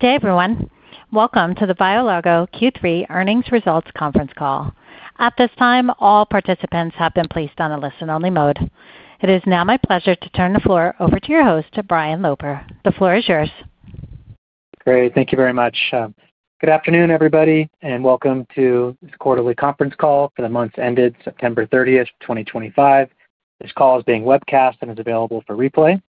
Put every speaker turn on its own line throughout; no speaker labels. Hey, everyone. Welcome to the BioLargo Q3 earnings results conference call. At this time, all participants have been placed on a listen-only mode. It is now my pleasure to turn the floor over to your host, Brian Loper. The floor is yours.
Great. Thank you very much. Good afternoon, everybody, and welcome to this quarterly conference call for the months ended September 30, 2025. This call is being webcast and is available for replay.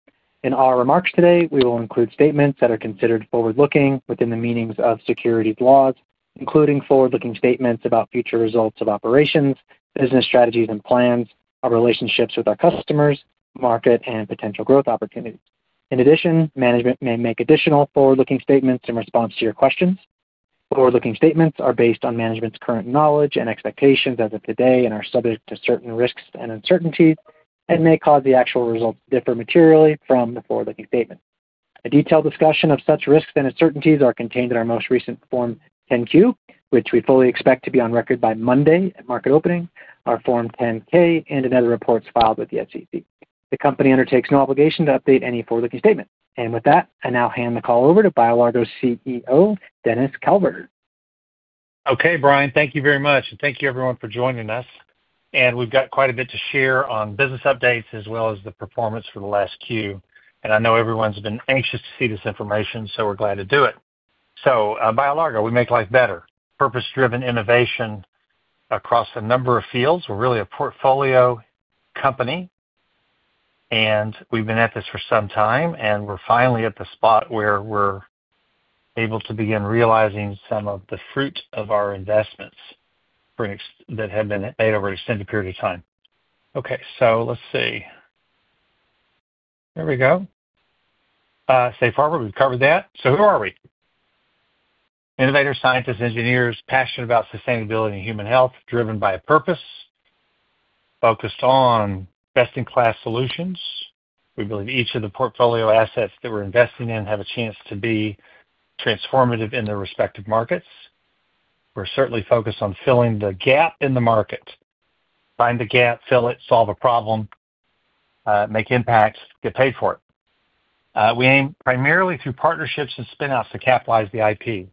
In our remarks today, we will include statements that are considered forward-looking within the meanings of securities laws, including forward-looking statements about future results of operations, business strategies and plans, our relationships with our customers, market, and potential growth opportunities. In addition, management may make additional forward-looking statements in response to your questions. Forward-looking statements are based on management's current knowledge and expectations as of today and are subject to certain risks and uncertainties and may cause the actual results to differ materially from the forward-looking statement. A detailed discussion of such risks and uncertainties is contained in our most recent Form 10Q, which we fully expect to be on record by Monday at market opening, our Form 10K, and in other reports filed with the SEC. The company undertakes no obligation to update any forward-looking statements. With that, I now hand the call over to BioLargo CEO, Dennis Calvert.
Okay, Brian, thank you very much. Thank you, everyone, for joining us. We've got quite a bit to share on business updates as well as the performance for the last Q. I know everyone's been anxious to see this information, so we're glad to do it. BioLargo, we make life better. Purpose-driven innovation across a number of fields. We're really a portfolio company. We've been at this for some time, and we're finally at the spot where we're able to begin realizing some of the fruit of our investments that have been made over an extended period of time. Okay, let's see. There we go. Safe harbor, we've covered that. Who are we? Innovators, scientists, engineers, passionate about sustainability and human health, driven by a purpose, focused on best-in-class solutions. We believe each of the Portfolio Assets that we're investing in have a chance to be transformative in their respective markets. We're certainly focused on filling the gap in the market. Find the gap, fill it, solve a problem, make impact, get paid for it. We aim primarily through partnerships and spinoffs to capitalize the IP.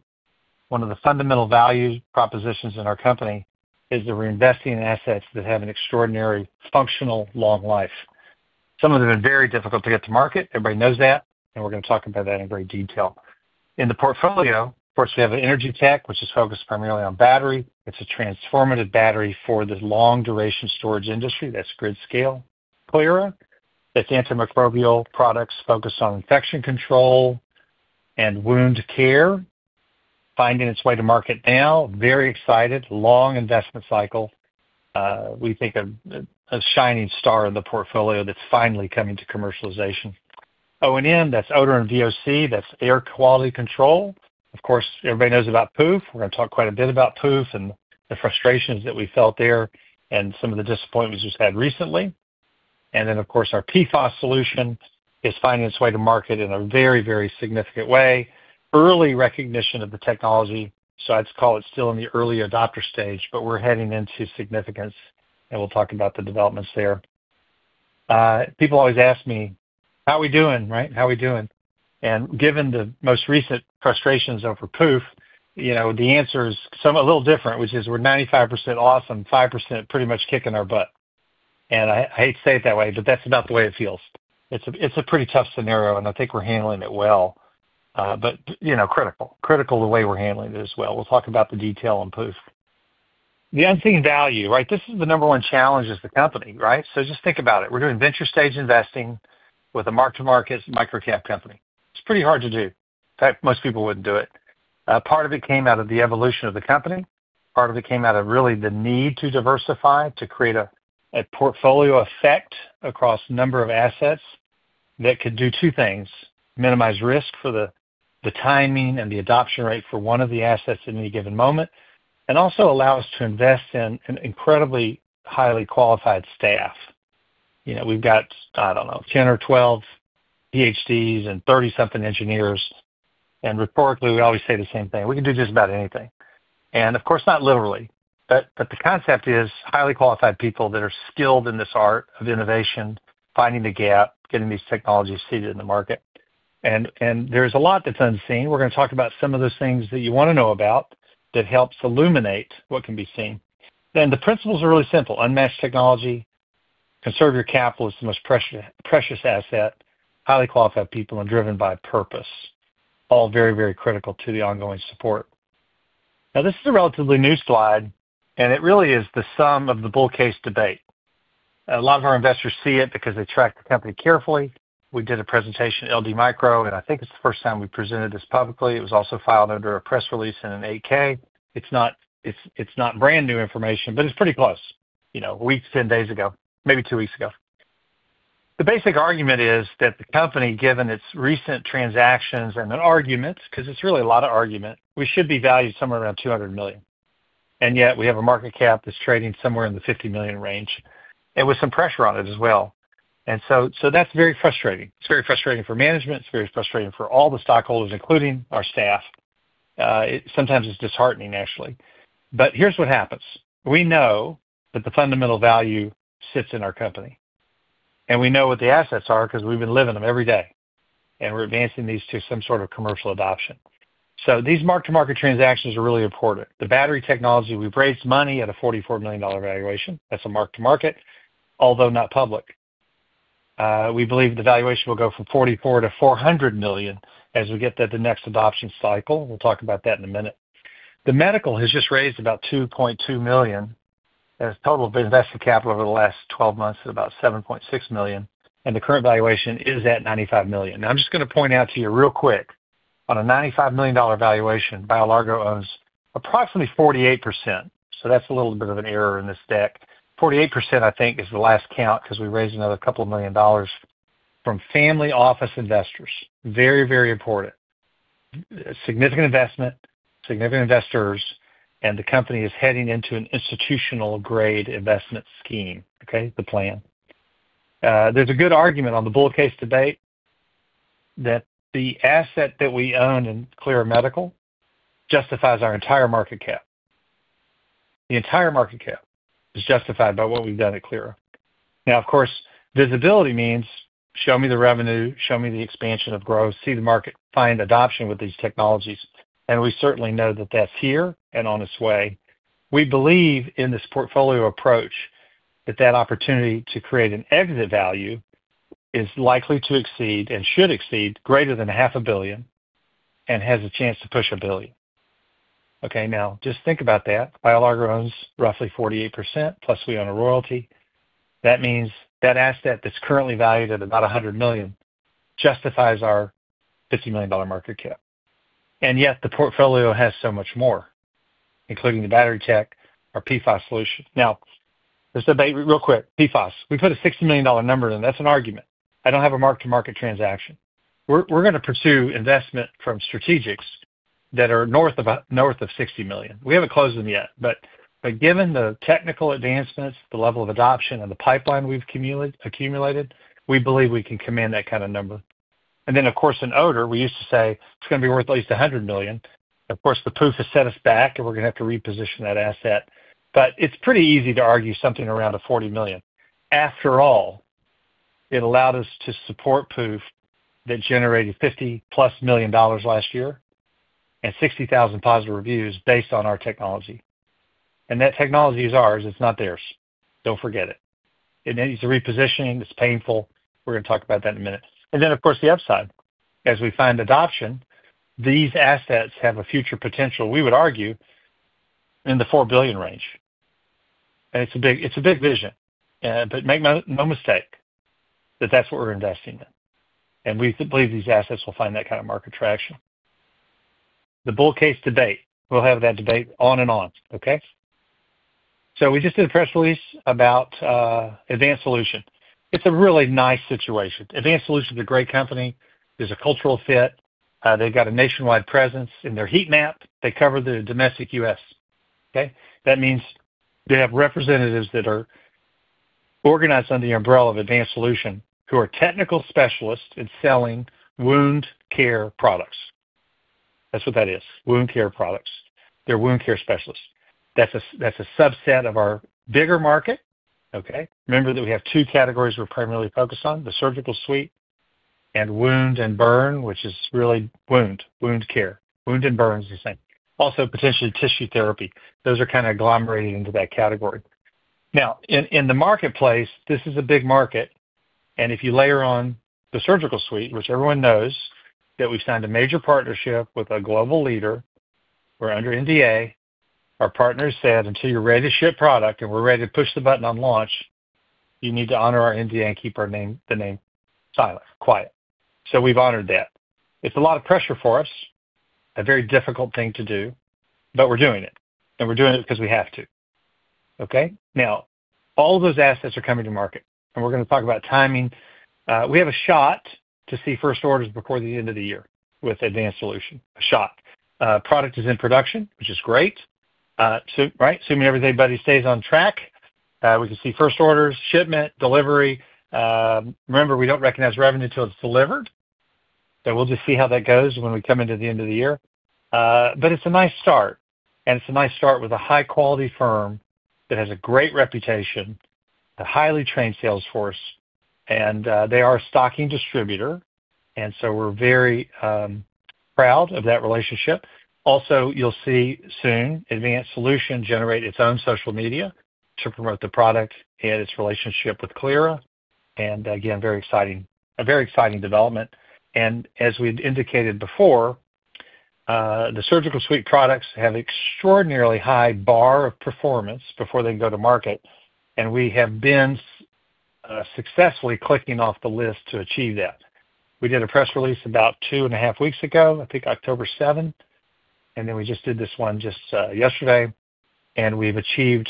One of the fundamental value propositions in our company is that we're investing in assets that have an extraordinary functional long life. Some of them are very difficult to get to market. Everybody knows that, and we're going to talk about that in great detail. In the portfolio, of course, we have an Energy Tech, which is focused primarily on battery. It's a transformative battery for the long-duration storage industry that's grid-scale. CLYRA. That's antimicrobial products focused on infection control and wound care, finding its way to market now. Very excited, long investment cycle. We think of a shining star in the portfolio that's finally coming to commercialization. O&M, that's odor and VOC, that's air quality control. Of course, everybody knows about Pooph. We're going to talk quite a bit about Pooph and the frustrations that we felt there and some of the disappointments we've had recently. Our PFAS solution is finding its way to market in a very, very significant way. Early recognition of the technology, so I'd call it still in the early adopter stage, but we're heading into significance, and we'll talk about the developments there. People always ask me, "How are we doing?" Right? "How are we doing?" Given the most recent frustrations over Pooph, the answer is a little different, which is we're 95% awesome, 5% pretty much kicking our butt. I hate to say it that way, but that's about the way it feels. It's a pretty tough scenario, and I think we're handling it well, but critical, critical the way we're handling it as well. We'll talk about the detail on Pooph. The unseen value, right? This is the number one challenge as a company, right? Just think about it. We're doing venture-stage investing with a mark-to-market micro-cap company. It's pretty hard to do. In fact, most people wouldn't do it. Part of it came out of the evolution of the company. Part of it came out of really the need to diversify to create a portfolio effect across a number of assets that could do two things: minimize risk for the timing and the adoption rate for one of the assets at any given moment, and also allow us to invest in an incredibly highly qualified staff. We've got, I don't know, 10 or 12 PhDs and 30-something engineers. And rhetorically, we always say the same thing. We can do just about anything. And of course, not literally. But the concept is highly qualified people that are skilled in this art of innovation, finding the gap, getting these technologies seated in the market. And there's a lot that's unseen. We're going to talk about some of those things that you want to know about that helps illuminate what can be seen. The principles are really simple. Unmatched technology, conserve your capital is the most precious asset, highly qualified people, and driven by purpose. All very, very critical to the ongoing support. Now, this is a relatively new slide, and it really is the sum of the Bull Case debate. A lot of our investors see it because they track the company carefully. We did a presentation at LD Micro, and I think it's the first time we presented this publicly. It was also filed under a press release in an 8-K. It's not brand new information, but it's pretty close. A week, 10 days ago, maybe two weeks ago. The basic argument is that the company, given its recent transactions and the arguments, because it's really a lot of argument, we should be valued somewhere around $200 million. And yet we have a market cap that's trading somewhere in the $50 million range. With some pressure on it as well. That is very frustrating. It is very frustrating for management. It is very frustrating for all the stockholders, including our staff. Sometimes it is disheartening, actually. Here is what happens. We know that the fundamental value sits in our company. We know what the assets are because we have been living them every day. We are advancing these to some sort of commercial adoption. These mark-to-market transactions are really important. The Battery Technology, we have raised money at a $44 million valuation. That is a mark-to-market, although not public. We believe the valuation will go from $44 million to $400 million as we get to the next adoption cycle. We will talk about that in a minute. The Medical has just raised about $2.2 million. That is Total Invested Capital over the last 12 months at about $7.6 million. The current valuation is at $95 million. Now, I'm just going to point out to you real quick, on a $95 million valuation, BioLargo owns approximately 48%. So that's a little bit of an error in this deck. 48%, I think, is the last count because we raised another couple of million dollars from family office investors. Very, very important. Significant investment, significant investors, and the company is heading into an institutional-grade investment scheme, okay? The plan. There's a good argument on the bull case debate that the asset that we own in CLYRA Medical justifies our entire market cap. The entire market cap is justified by what we've done at CLYRA. Now, of course, visibility means show me the revenue, show me the expansion of growth, see the market, find adoption with these technologies. And we certainly know that that's here and on its way. We believe in this portfolio approach that opportunity to create an exit value is likely to exceed and should exceed greater than half a billion and has a chance to push a billion. Okay, now, just think about that. BioLargo owns roughly 48%, plus we own a royalty. That means that asset that's currently valued at about $100 million justifies our $50 million market cap. Yet the portfolio has so much more, including the Battery Tech, our PFAS solution. Now, this debate, real quick, PFAS. We put a $60 million number in. That's an argument. I don't have a mark-to-market transaction. We're going to pursue investment from strategics that are north of $60 million. We haven't closed them yet. Given the technical advancements, the level of adoption, and the pipeline we've accumulated, we believe we can command that kind of number. Of course, in odor, we used to say it's going to be worth at least $100 million. Of course, Pooph has set us back, and we're going to have to reposition that asset. It's pretty easy to argue something around $40 million. After all, it allowed us to support Pooph that generated $50-plus million last year and 60,000 positive reviews based on our technology. That technology is ours. It's not theirs. Don't forget it. It needs repositioning. It's painful. We're going to talk about that in a minute. Of course, the upside. As we find adoption, these assets have a future potential, we would argue, in the $4 billion range. It's a big vision. Make no mistake that that's what we're investing in. We believe these assets will find that kind of market traction. The Bull Case Debate. We'll have that debate on and on, okay? We just did a press release about Advanced Solution. It's a really nice situation. Advanced Solution is a great company. There's a cultural fit. They've got a nationwide presence in their heat map. They cover the domestic U.S., okay? That means they have representatives that are organized under the umbrella of Advanced Solution who are technical specialists in selling wound care products. That's what that is. Wound care products. They're wound care specialists. That's a subset of our bigger market, okay? Remember that we have two categories we're primarily focused on: the surgical suite and wound and burn, which is really wound, wound care. Wound and burn is the same. Also, potentially Tissue Therapy. Those are kind of agglomerated into that category. Now, in the marketplace, this is a big market. If you layer on the surgical suite, which everyone knows that we've signed a major partnership with a global leader. We're under NDA. Our partners said, "Until you're ready to ship product and we're ready to push the button on launch, you need to honor our NDA and keep the name silent, quiet." We've honored that. It's a lot of pressure for us, a very difficult thing to do, but we're doing it. We're doing it because we have to, okay? All of those assets are coming to market. We're going to talk about timing. We have a shot to see first orders before the end of the year with Advanced Solution. A shot. Product is in production, which is great. Right? Assuming everybody stays on track, we can see first orders, shipment, delivery. Remember, we don't recognize revenue until it's delivered. We'll just see how that goes when we come into the end of the year. It's a nice start. It's a nice start with a high-quality firm that has a great reputation, a highly trained sales force. They are a stocking distributor. We're very proud of that relationship. Also, you'll see soon Advanced Solution generate its own social media to promote the product and its relationship with CLYRA. Again, very exciting, a very exciting development. As we've indicated before, the surgical suite products have an extraordinarily high bar of performance before they can go to market. We have been successfully clicking off the list to achieve that. We did a press release about two and a half weeks ago, I think October 7th. We just did this one just yesterday. We have achieved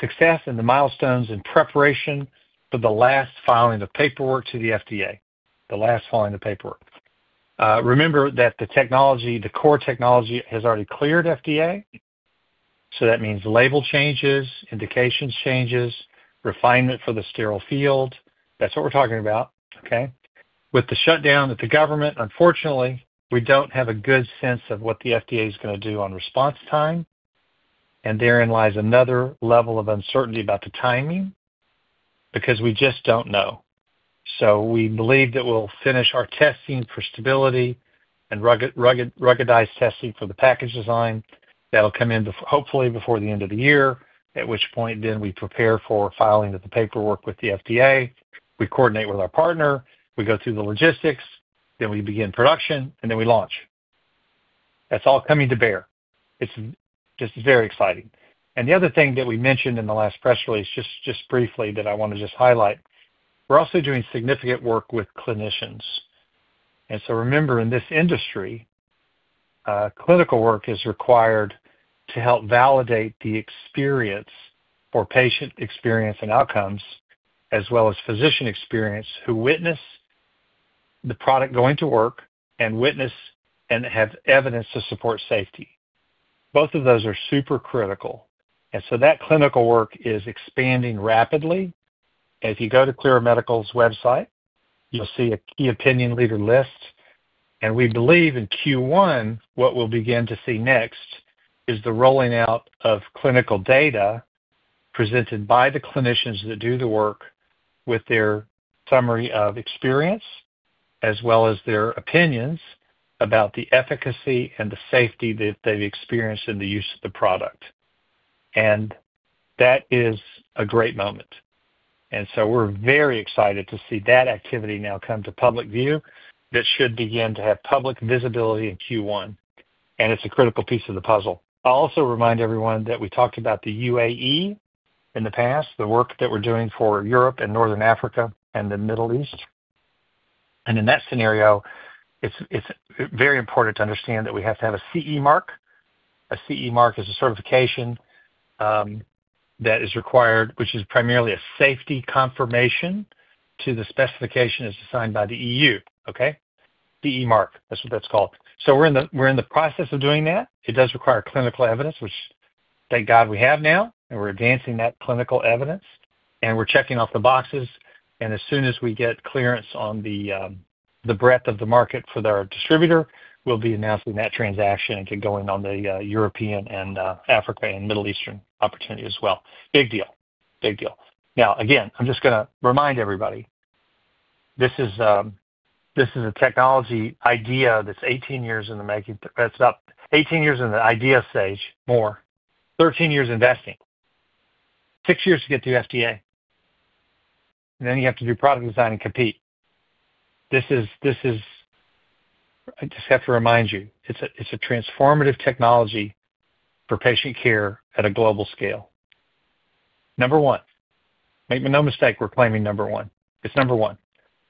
success in the milestones in preparation for the last filing of paperwork to the FDA, the last filing of paperwork. Remember that the technology, the core technology has already cleared FDA. That means label changes, indications changes, refinement for the sterile field. That is what we are talking about, okay? With the shutdown of the government, unfortunately, we do not have a good sense of what the FDA is going to do on response time. Therein lies another level of uncertainty about the timing because we just do not know. We believe that we will finish our testing for stability and ruggedized testing for the package design. That will come in hopefully before the end of the year, at which point we prepare for filing of the paperwork with the FDA. We coordinate with our partner. We go through the logistics. We begin production, and we launch. That's all coming to bear. It's just very exciting. The other thing that we mentioned in the last press release, just briefly that I want to just highlight, we're also doing significant work with clinicians. Remember, in this industry, clinical work is required to help validate the experience for patient experience and outcomes, as well as physician experience who witness the product going to work and witness and have evidence to support safety. Both of those are super critical. That clinical work is expanding rapidly. If you go to CLYRA Medical's website, you'll see a key opinion leader list. We believe in Q1, what we'll begin to see next is the rolling out of clinical data presented by the clinicians that do the work with their summary of experience, as well as their opinions about the efficacy and the safety that they've experienced in the use of the product. That is a great moment. We are very excited to see that activity now come to public view that should begin to have public visibility in Q1. It is a critical piece of the puzzle. I'll also remind everyone that we talked about the UAE in the past, the work that we're doing for Europe and Northern Africa and the Middle East. In that scenario, it's very important to understand that we have to have a CE mark. A CE mark is a certification that is required, which is primarily a safety confirmation to the specification that's assigned by the EU, okay? CE mark. That's what that's called. We're in the process of doing that. It does require clinical evidence, which thank god we have now. We're advancing that clinical evidence. We're checking off the boxes. As soon as we get clearance on the breadth of the market for our distributor, we'll be announcing that transaction and get going on the European and Africa and Middle Eastern opportunity as well. Big deal. Big deal. Now, again, I'm just going to remind everybody, this is a technology idea that's 18 years in the making. That's about 18 years in the idea stage, more, 13 years investing, six years to get through FDA. Then you have to do product design and compete. This is, I just have to remind you, it's a transformative technology for patient care at a global scale. Number one. Make no mistake, we're claiming number one. It's number one.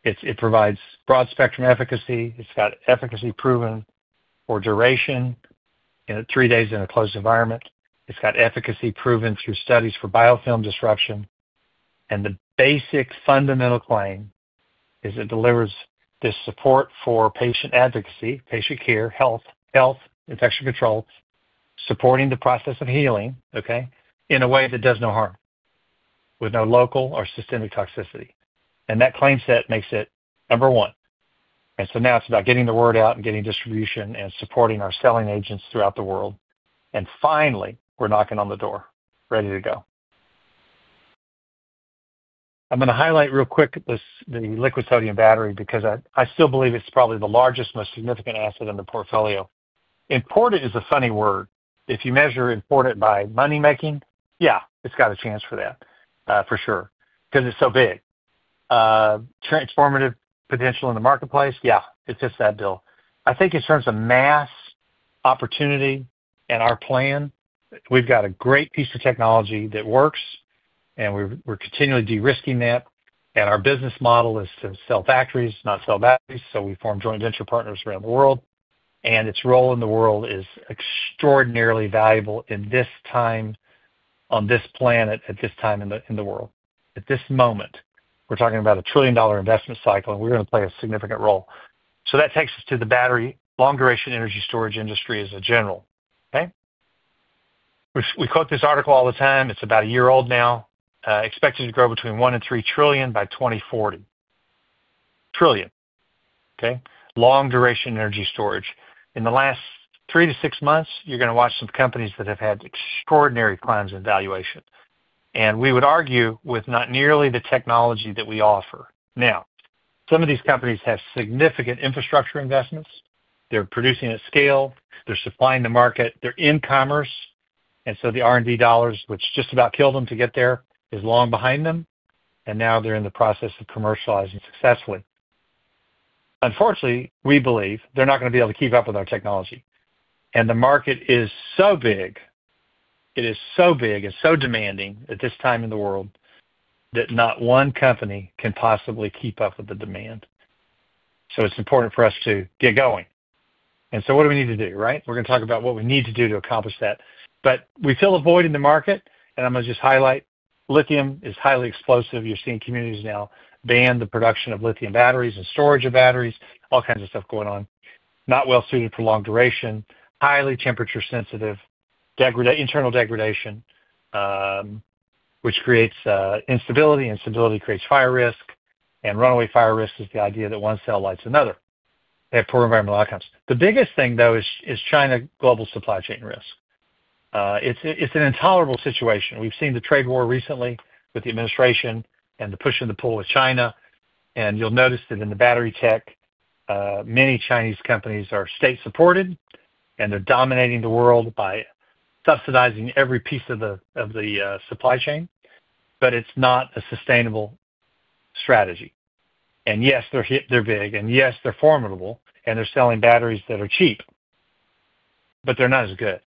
It provides Broad-Spectrum Efficacy. It's got efficacy proven for duration in three days in a closed environment. It's got efficacy proven through studies for biofilm disruption. And the basic fundamental claim is it delivers this support for patient advocacy, patient care, health, infection control, supporting the process of healing, okay, in a way that does no harm, with no local or systemic toxicity. That claim set makes it number one. Now it's about getting the word out and getting distribution and supporting our selling agents throughout the world. Finally, we're knocking on the door, ready to go. I'm going to highlight real quick the liquid Sodium battery because I still believe it's probably the largest, most significant asset in the portfolio. Important is a funny word. If you measure important by money-making, yeah, it's got a chance for that, for sure, because it's so big. Transformative potential in the marketplace, yeah, it fits that bill. I think in terms of mass opportunity and our plan, we've got a great piece of technology that works. And we're continually de-risking that. Our business model is to sell factories, not sell batteries. We form joint venture partners around the world. Its role in the world is extraordinarily valuable in this time, on this planet, at this time in the world. At this moment, we're talking about a trillion-dollar investment cycle. We're going to play a significant role. That takes us to the battery long-duration energy storage industry as a general, okay? We quote this article all the time. It is about a year old now. Expected to grow between $1 trillion and $3 trillion by 2040. Trillion, okay? Long-duration energy storage. In the last three to six months, you are going to watch some companies that have had extraordinary climbs in valuation. We would argue with not nearly the technology that we offer. Some of these companies have significant infrastructure investments. They are producing at scale. They are supplying the market. They are in commerce. The R&D dollars, which just about killed them to get there, is long behind them. Now they are in the process of commercializing successfully. Unfortunately, we believe they are not going to be able to keep up with our technology. The market is so big. It is so big and so demanding at this time in the world that not one company can possibly keep up with the demand. It's important for us to get going. What do we need to do, right? We're going to talk about what we need to do to accomplish that. We feel avoiding the market. I'm going to just highlight Lithium is highly explosive. You're seeing communities now ban the production of Lithium batteries and storage of batteries, all kinds of stuff going on. Not well suited for long duration, highly temperature-sensitive, internal degradation, which creates instability. Instability creates fire risk. Runaway fire risk is the idea that one cell lights another. They have poor environmental outcomes. The biggest thing, though, is China global supply chain risk. It's an intolerable situation. We've seen the trade war recently with the administration and the push and the pull with China. You'll notice that in the Battery Tech, many Chinese companies are state-supported. They're dominating the world by subsidizing every piece of the supply chain. It's not a sustainable strategy. Yes, they're big. Yes, they're formidable. They're selling batteries that are cheap. They're not as good.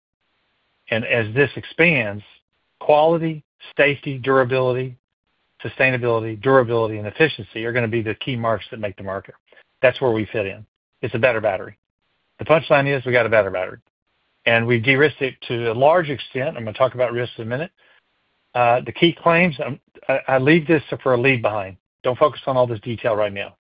As this expands, quality, safety, durability, sustainability, and efficiency are going to be the key marks that make the market. That's where we fit in. It's a better battery. The punchline is we got a better battery. We de-risked it to a large extent. I'm going to talk about risks in a minute. The key claims, I leave this for a lead behind. Don't focus on all this detail right now.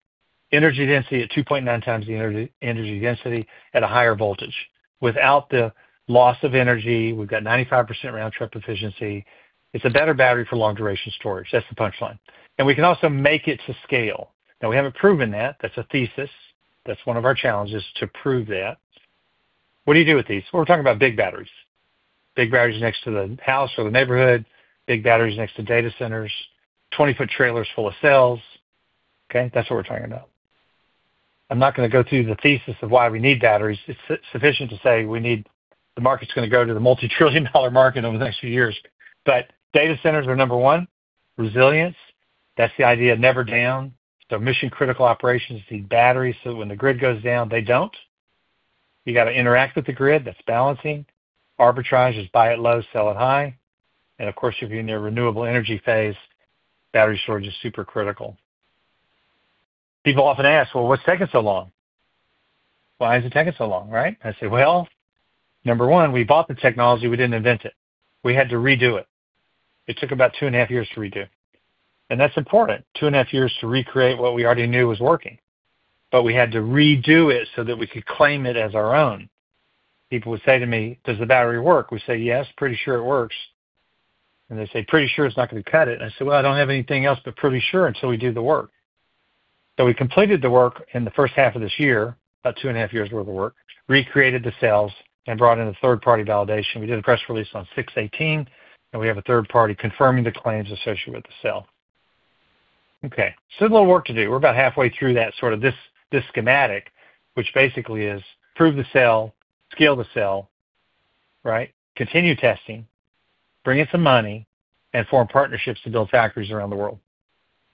Energy density at 2.9 times the energy density at a higher voltage. Without the loss of energy, we've got 95% round-trip efficiency. It's a better battery for long-duration storage. That's the punchline. We can also make it to scale. Now, we haven't proven that. That's a thesis. That's one of our challenges to prove that. What do you do with these? We're talking about big batteries. Big batteries next to the house or the neighborhood, big batteries next to data centers, 20-foot trailers full of cells, okay? That's what we're talking about. I'm not going to go through the thesis of why we need batteries. It's sufficient to say we need the market's going to go to the multi-trillion-dollar market over the next few years. Data centers are number one, resilience. That's the idea, never down. Mission-critical operations need batteries so that when the grid goes down, they don't. You got to interact with the grid. That's balancing. Arbitrage is buy it low, sell it high. Of course, if you're in a renewable energy phase, battery storage is super critical. People often ask, "Well, what's taking so long?" Why is it taking so long, right? I say, "Number one, we bought the technology. We didn't invent it. We had to redo it. It took about two and a half years to redo." That's important. Two and a half years to recreate what we already knew was working. We had to redo it so that we could claim it as our own. People would say to me, "Does the battery work?" We say, "Yes, pretty sure it works." They say, "Pretty sure is not going to cut it." I say, "I do not have anything else but pretty sure until we do the work." We completed the work in the first half of this year, about two and a half years' worth of work, recreated the cells, and brought in a third-party validation. We did a press release on 6/18. We have a third party confirming the claims associated with the cell. Okay. There is a little work to do. We are about halfway through that, sort of this schematic, which basically is prove the cell, scale the cell, right? Continue testing, bring in some money, and form partnerships to build factories around the world.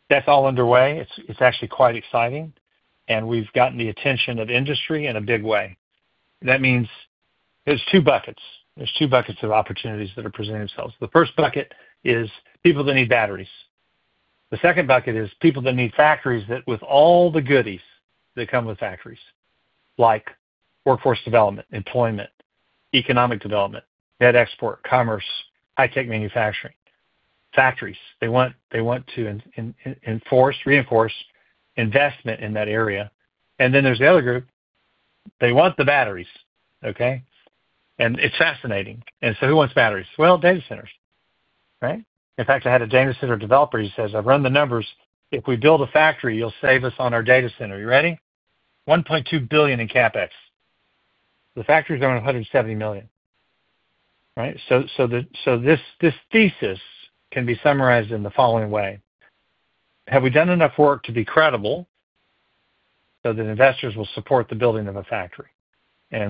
That is all underway. It is actually quite exciting. We have gotten the attention of industry in a big way. That means there are two buckets. There are two buckets of opportunities that are presenting themselves. The first bucket is people that need batteries. The second bucket is people that need factories with all the goodies that come with factories, like workforce development, employment, economic development, net export, commerce, high-tech manufacturing, factories. They want to enforce, reinforce investment in that area. There is the other group. They want the batteries, okay? It is fascinating. Who wants batteries? Data centers, right? In fact, I had a data center developer. He says, "I have run the numbers. If we build a factory, you will save us on our data center." You ready? $1.2 billion in CapEx. The factories are around $170 million, right? This thesis can be summarized in the following way. Have we done enough work to be credible so that investors will support the building of a factory?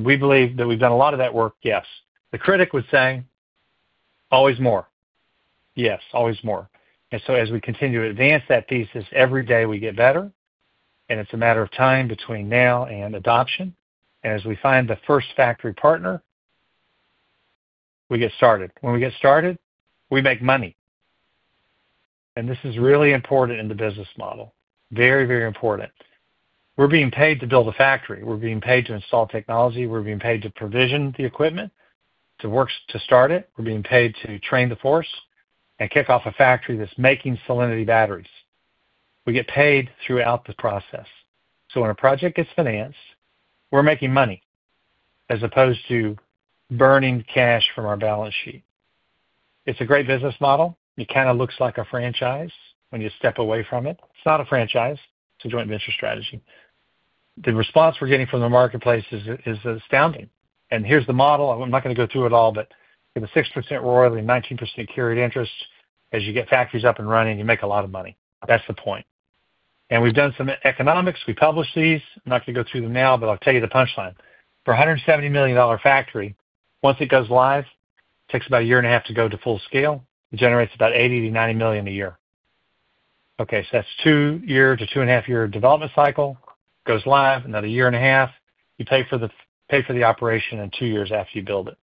We believe that we've done a lot of that work, yes. The critic would say, "Always more." Yes, always more. As we continue to advance that thesis, every day we get better. It is a matter of time between now and adoption. As we find the first factory partner, we get started. When we get started, we make money. This is really important in the business model. Very, very important. We're being paid to build a factory. We're being paid to install technology. We're being paid to provision the equipment to start it. We're being paid to train the force and kick off a factory that's making Sodium Batteries. We get paid throughout the process. When a project gets financed, we're making money as opposed to burning cash from our balance sheet. It's a great business model. It kind of looks like a franchise when you step away from it. It's not a franchise. It's a Joint Venture Strategy. The response we're getting from the marketplace is astounding. Here's the model. I'm not going to go through it all, but with a 6% royalty and 19% carried interest, as you get factories up and running, you make a lot of money. That's the point. We've done some economics. We publish these. I'm not going to go through them now, but I'll tell you the punchline. For a $170 million factory, once it goes live, it takes about a year and a half to go to full scale. It generates about $80 million-$90 million a year. Okay. That's two years to two and a half years development cycle. Goes live, another year and a half. You pay for the operation in two years after you build it.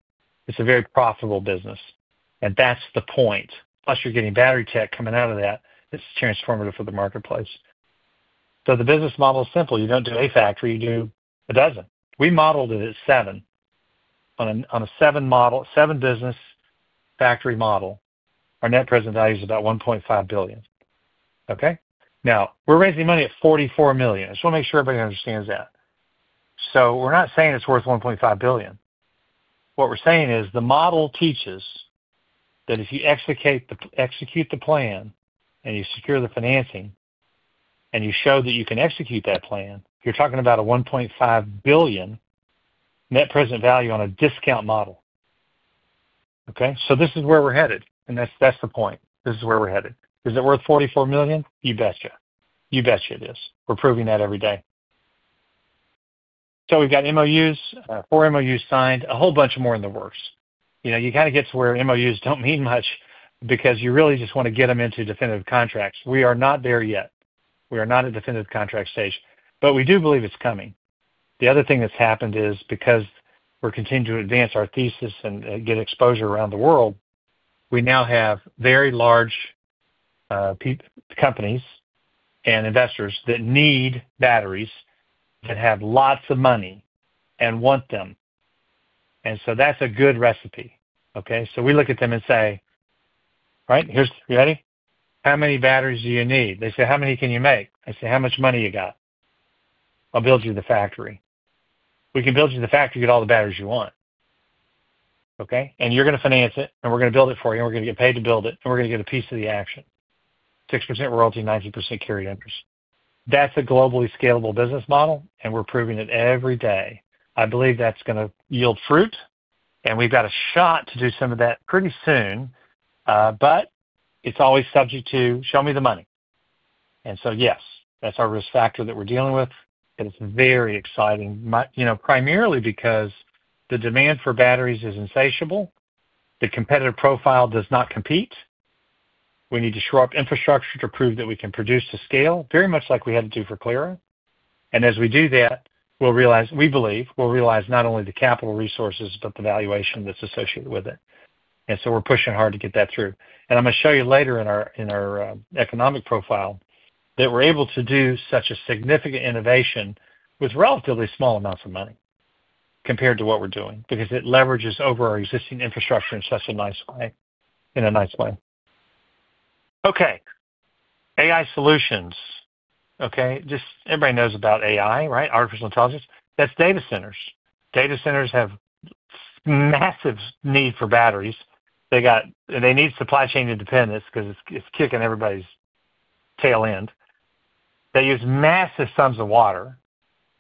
It's a very profitable business. That's the point. Plus, you're getting Battery Tech coming out of that. It's transformative for the marketplace. The business model is simple. You don't do a factory. You do a dozen. We modeled it at seven. On a seven business factory model, our net present value is about $1.5 billion. Okay? Now, we're raising money at $44 million. I just want to make sure everybody understands that. We're not saying it's worth $1.5 billion. What we're saying is the model teaches that if you execute the plan and you secure the financing and you show that you can execute that plan, you're talking about a $1.5 billion net present value on a discount model. Okay? This is where we're headed. That's the point. This is where we're headed. Is it worth $44 million? You bet you. You bet you it is. We're proving that every day. We've got MOUs, four MOUs signed, a whole bunch more in the works. You kind of get to where MOUs do not mean much because you really just want to get them into definitive contracts. We are not there yet. We are not at definitive contract stage. We do believe it's coming. The other thing that's happened is because we're continuing to advance our thesis and get exposure around the world, we now have very large companies and investors that need batteries that have lots of money and want them. That's a good recipe. Okay? We look at them and say, "Right? You ready? How many batteries do you need?" They say, "How many can you make?" I say, "How much money you got? I'll build you the factory." We can build you the factory, get all the batteries you want. Okay? You're going to finance it. We're going to build it for you. We're going to get paid to build it. We're going to get a piece of the action. 6% royalty, 19% carried interest. That's a globally scalable business model. We're proving it every day. I believe that's going to yield fruit. We have got a shot to do some of that pretty soon. It is always subject to show me the money. Yes, that is our risk factor that we are dealing with. It is very exciting, primarily because the demand for batteries is insatiable. The competitive profile does not compete. We need to shore up infrastructure to prove that we can produce to scale, very much like we had to do for CLYRA. As we do that, we believe we will realize not only the capital resources but the valuation that is associated with it. We are pushing hard to get that through. I am going to show you later in our economic profile that we are able to do such a significant innovation with relatively small amounts of money compared to what we are doing because it leverages over our existing infrastructure in such a nice way. In a nice way. Okay. AI solutions. Okay? Just everybody knows about AI, right? Artificial Intelligence. That's data centers. Data centers have massive need for batteries. They need supply chain independence because it's kicking everybody's tail end. They use massive sums of water.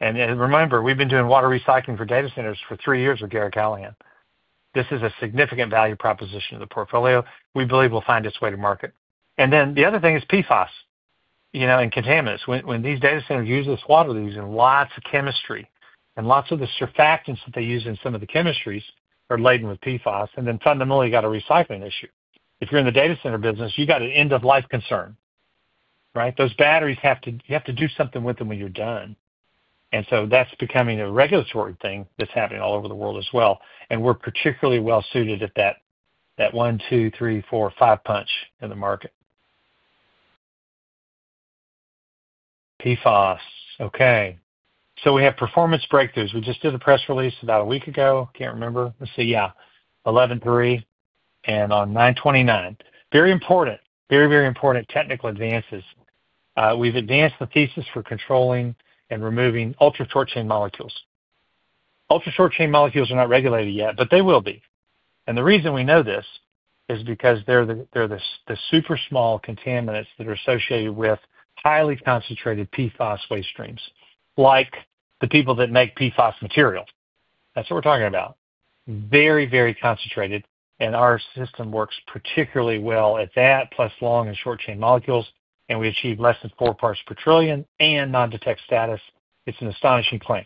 And remember, we've been doing water recycling for data centers for three years with Garrett Calian. This is a significant value proposition to the portfolio. We believe we'll find its way to market. The other thing is PFAS and contaminants. When these data centers use this water, they're using lots of chemistry. Lots of the surfactants that they use in some of the chemistries are laden with PFAS. Fundamentally, you got a recycling issue. If you're in the data center business, you got an end-of-life concern, right? Those batteries have to you have to do something with them when you're done. That's becoming a regulatory thing that's happening all over the world as well. We're particularly well suited at that one, two, three, four, five punch in the market. PFAS. Okay. We have performance breakthroughs. We just did a press release about a week ago. Can't remember. Let's see. Yeah. 11/3 and on 9/29. Very important. Very, very important technical advances. We've advanced the thesis for controlling and removing ultra-short-chain molecules. Ultra-short-chain molecules are not regulated yet, but they will be. The reason we know this is because they're the super small contaminants that are associated with highly concentrated PFAS waste streams, like the people that make PFAS material. That's what we're talking about. Very, very concentrated. Our system works particularly well at that, plus long and short-chain molecules. We achieve less than four parts per trillion and non-detect status. It's an astonishing claim.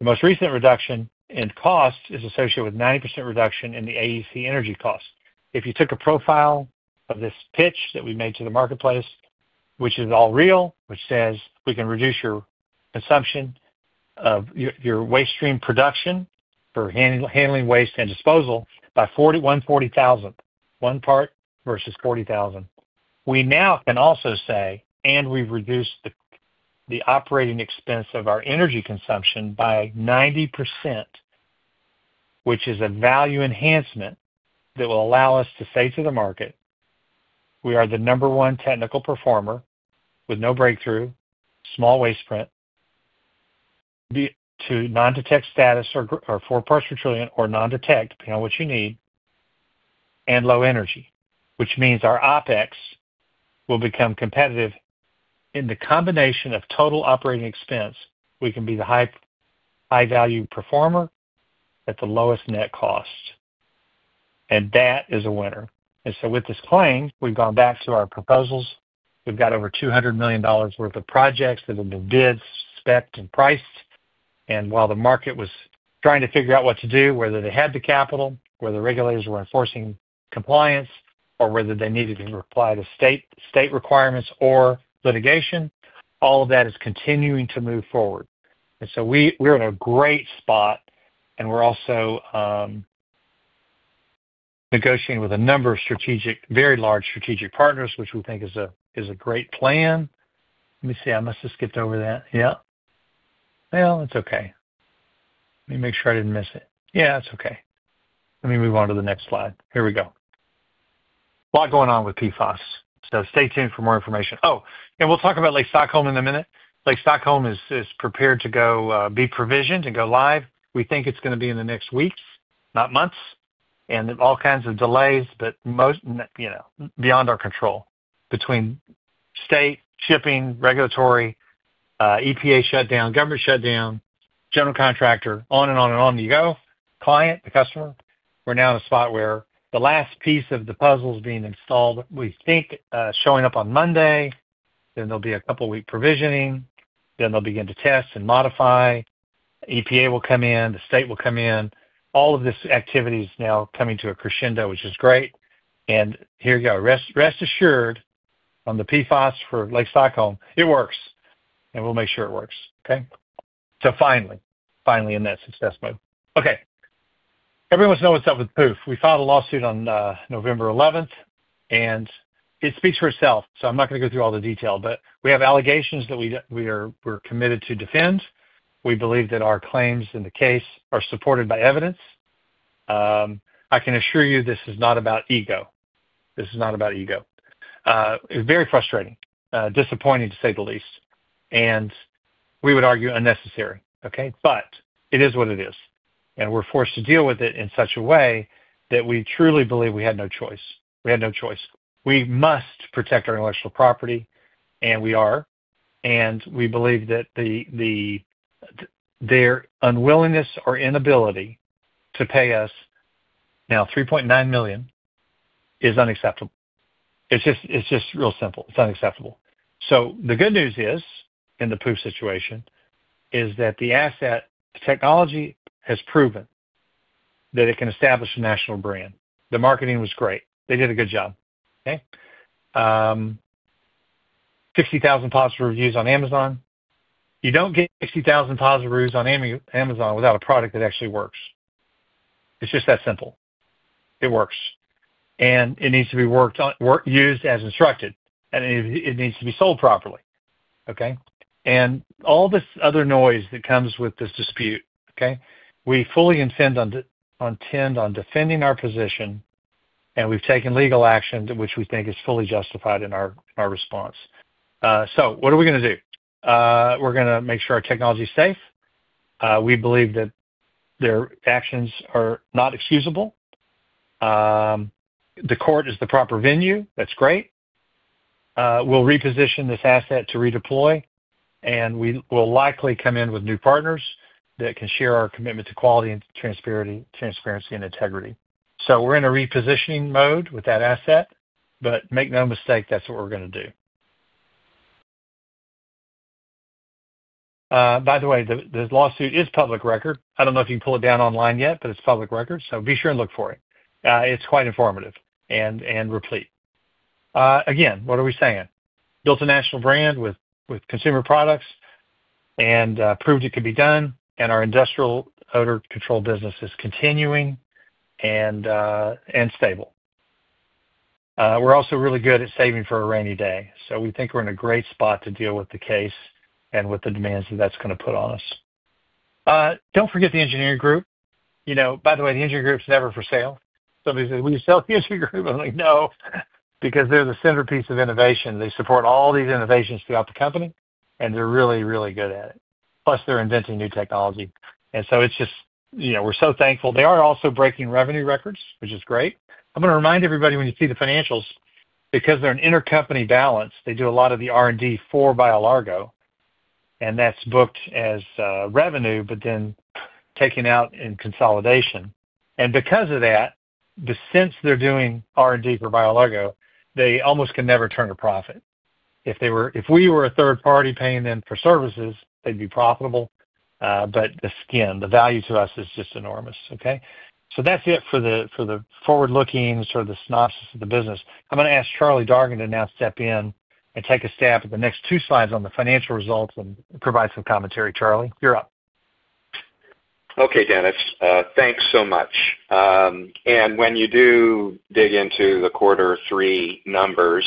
The most recent reduction in cost is associated with 90% reduction in the AEC energy cost. If you took a profile of this pitch that we made to the marketplace, which is all real, which says we can reduce your consumption of your waste stream production for handling waste and disposal by 140,000, one part versus 40,000. We now can also say, and we've reduced the operating expense of our energy consumption by 90%, which is a value enhancement that will allow us to say to the market, "We are the number one technical performer with no breakthrough, small waste print, to non-detect status or four parts per trillion or non-detect, depending on what you need, and low energy," which means our OpEx will become competitive. In the combination of Total Operating Expense, we can be the high-value performer at the lowest net cost. That is a winner. With this claim, we've gone back to our proposals. We've got over $200 million worth of projects that have been bid, specced, and priced. While the market was trying to figure out what to do, whether they had the capital, whether regulators were enforcing compliance, or whether they needed to comply to state requirements or litigation, all of that is continuing to move forward. We're in a great spot. We're also negotiating with a number of very large strategic partners, which we think is a great plan. Let me see. I must have skipped over that. Yeah. That's okay. Let me make sure I didn't miss it. Yeah, that's okay. Let me move on to the next slide. Here we go. A lot going on with PFAS. Stay tuned for more information. Oh, and we'll talk about Lake Stockholm in a minute. Lake Stockholm is prepared to be provisioned and go live. We think it's going to be in the next weeks, not months. All kinds of delays, but beyond our control between state shipping, regulatory, EPA shutdown, government shutdown, general contractor, on and on and on you go, client, the customer. We're now in a spot where the last piece of the puzzle is being installed. We think showing up on Monday. There will be a couple-week provisioning. They will begin to test and modify. EPA will come in. The state will come in. All of this activity is now coming to a crescendo, which is great. Here you go. Rest assured, on the PFAS for Lake Stockholm, it works. We will make sure it works. Okay? Finally, finally in that success mode. Okay. Everyone's knowing what's up with Pooph. We filed a lawsuit on November 11th. It speaks for itself. I'm not going to go through all the detail. We have allegations that we're committed to defend. We believe that our claims in the case are supported by evidence. I can assure you this is not about ego. It's very frustrating, disappointing to say the least. We would argue unnecessary. It is what it is. We're forced to deal with it in such a way that we truly believe we had no choice. We had no choice. We must protect our intellectual property. We are. We believe that their unwillingness or inability to pay us now $3.9 million is unacceptable. It's just real simple. It's unacceptable. The good news is, in the Pooph situation, the asset technology has proven that it can establish a national brand. The marketing was great. They did a good job. Okay? 60,000 positive reviews on Amazon. You do not get 60,000 positive reviews on Amazon without a product that actually works. It is just that simple. It works. And it needs to be used as instructed. And it needs to be sold properly. Okay? And all this other noise that comes with this dispute, okay, we fully intend on defending our position. And we have taken legal action, which we think is fully justified in our response. So what are we going to do? We are going to make sure our technology is safe. We believe that their actions are not excusable. The court is the proper venue. That is great. We will reposition this asset to redeploy. And we will likely come in with new partners that can share our commitment to quality and transparency and integrity. So we are in a repositioning mode with that asset. Make no mistake, that's what we're going to do. By the way, this lawsuit is public record. I don't know if you can pull it down online yet, but it's public record. Be sure and look for it. It's quite informative and replete. Again, what are we saying? Built a national brand with consumer products and proved it could be done. Our industrial odor control business is continuing and stable. We're also really good at saving for a rainy day. We think we're in a great spot to deal with the case and with the demands that that's going to put on us. Don't forget the engineering group. By the way, the engineering group's never for sale. Somebody says, "Will you sell the engineering group?" I'm like, "No." They're the centerpiece of innovation. They support all these innovations throughout the company. They're really, really good at it. Plus, they're inventing new technology. It's just we're so thankful. They are also breaking revenue records, which is great. I'm going to remind everybody when you see the financials, because they're an intercompany balance, they do a lot of the R&D for BioLargo. That's booked as revenue, but then taken out in consolidation. Because of that, since they're doing R&D for BioLargo, they almost can never turn a profit. If we were a third party paying them for services, they'd be profitable. The skin, the value to us is just enormous. Okay? That's it for the forward-looking sort of the synopsis of the business. I'm going to ask Charlie Dargan to now step in and take a stab at the next two slides on the financial results and provide some commentary. Charlie, you're up.
Okay, Dennis. Thanks so much. When you do dig into the quarter three numbers,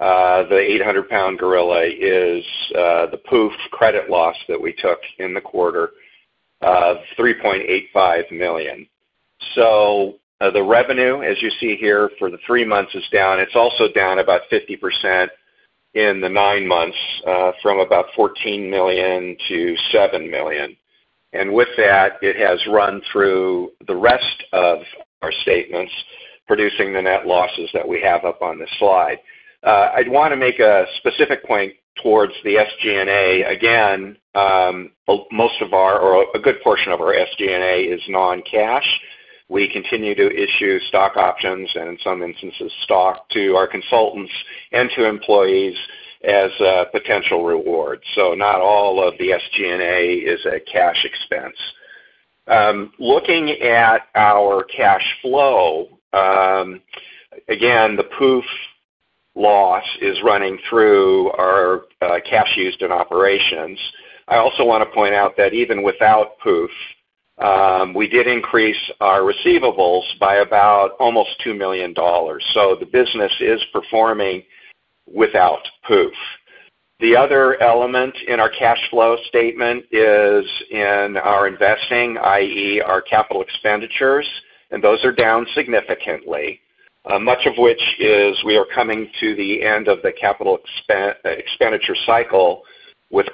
the 800-pound gorilla is the Pooph credit loss that we took in the quarter of $3.85 million. The revenue, as you see here, for the three months is down. It's also down about 50% in the nine months from about $14 million to $7 million. With that, it has run through the rest of our statements, producing the net losses that we have up on this slide. I'd want to make a specific point towards the SG&A. Again, most of our or a good portion of our SG&A is non-cash. We continue to issue stock options and, in some instances, stock to our consultants and to employees as potential rewards. Not all of the SG&A is a cash expense. Looking at our cash flow, again, the Pooph loss is running through our cash used in operations. I also want to point out that even without Pooph, we did increase our receivables by about almost $2 million. The business is performing without Pooph. The other element in our cash flow statement is in our investing, i.e., our capital expenditures. Those are down significantly, much of which is we are coming to the end of the capital expenditure cycle with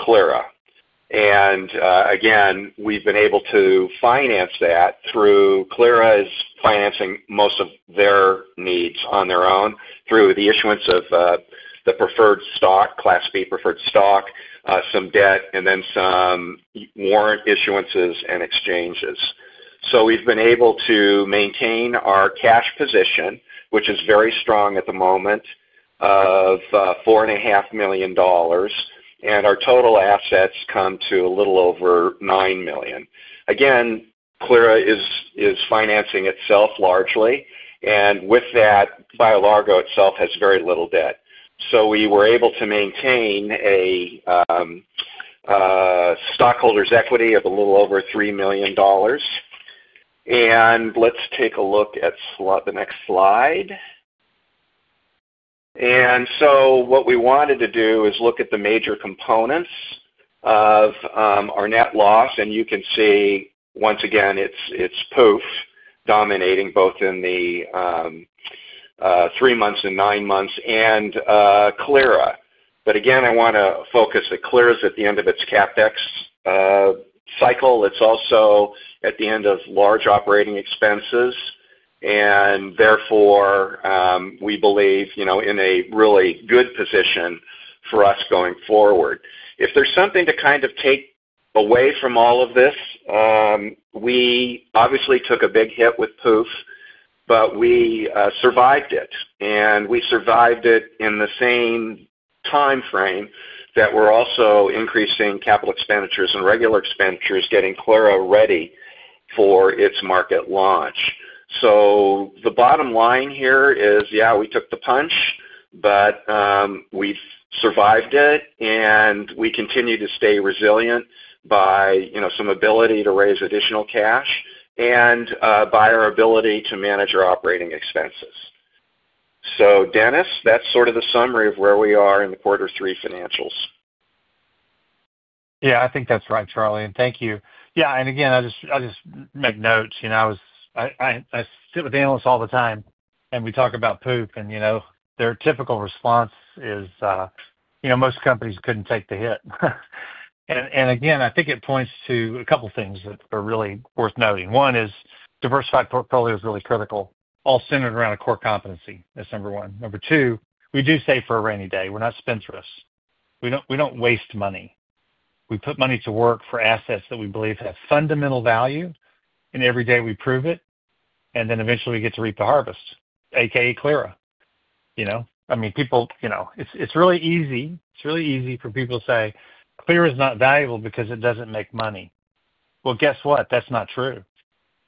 CLYRA. We have been able to finance that through CLYRA is financing most of their needs on their own through the issuance of the preferred stock, Class B preferred stock, some debt, and then some warrant issuances and exchanges. We have been able to maintain our cash position, which is very strong at the moment at $4.5 million. Our total assets come to a little over $9 million. CLYRA is financing itself largely. With that, BioLargo itself has very little debt. We were able to maintain a stockholders' equity of a little over $3 million. Let's take a look at the next slide. What we wanted to do is look at the major components of our net loss. You can see, once again, it's Pooph dominating both in the three months and nine months and CLYRA. I want to focus that CLYRA is at the end of its CapEx cycle. It's also at the end of large operating expenses. Therefore, we believe in a really good position for us going forward. If there's something to kind of take away from all of this, we obviously took a big hit with Pooph, but we survived it. We survived it in the same timeframe that we're also increasing capital expenditures and regular expenditures, getting CLYRA ready for its market launch. The bottom line here is, yeah, we took the punch, but we've survived it. We continue to stay resilient by some ability to raise additional cash and by our ability to manage our operating expenses. Dennis, that's sort of the summary of where we are in the quarter three financials.
Yeah, I think that's right, Charlie. Thank you. Yeah. Again, I just make notes. I sit with analysts all the time. We talk about Pooph. Their typical response is, "Most companies couldn't take the hit." Again, I think it points to a couple of things that are really worth noting. One is diversified portfolio is really critical, all centered around a core competency. That's number one. Number two, we do save for a rainy day. We're not spendthrifts. We don't waste money. We put money to work for assets that we believe have fundamental value. Every day we prove it. Eventually we get to reap the harvest, a.k.a. CLYRA. I mean, people, it's really easy. It's really easy for people to say, "CLYRA is not valuable because it doesn't make money." Well, guess what? That's not true.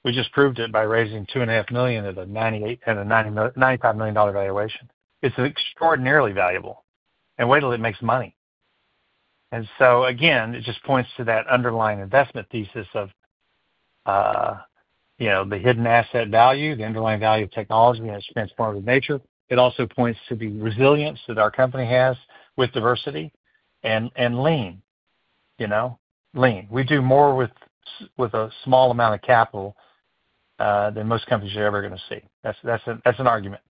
We just proved it by raising $2.5 million at a $95 million valuation. It's extraordinarily valuable. Wait till it makes money. Again, it just points to that underlying investment thesis of the hidden asset value, the underlying value of technology, and its transformative nature. It also points to the resilience that our company has with diversity and lean. Lean. We do more with a small amount of capital than most companies are ever going to see. That's an argument.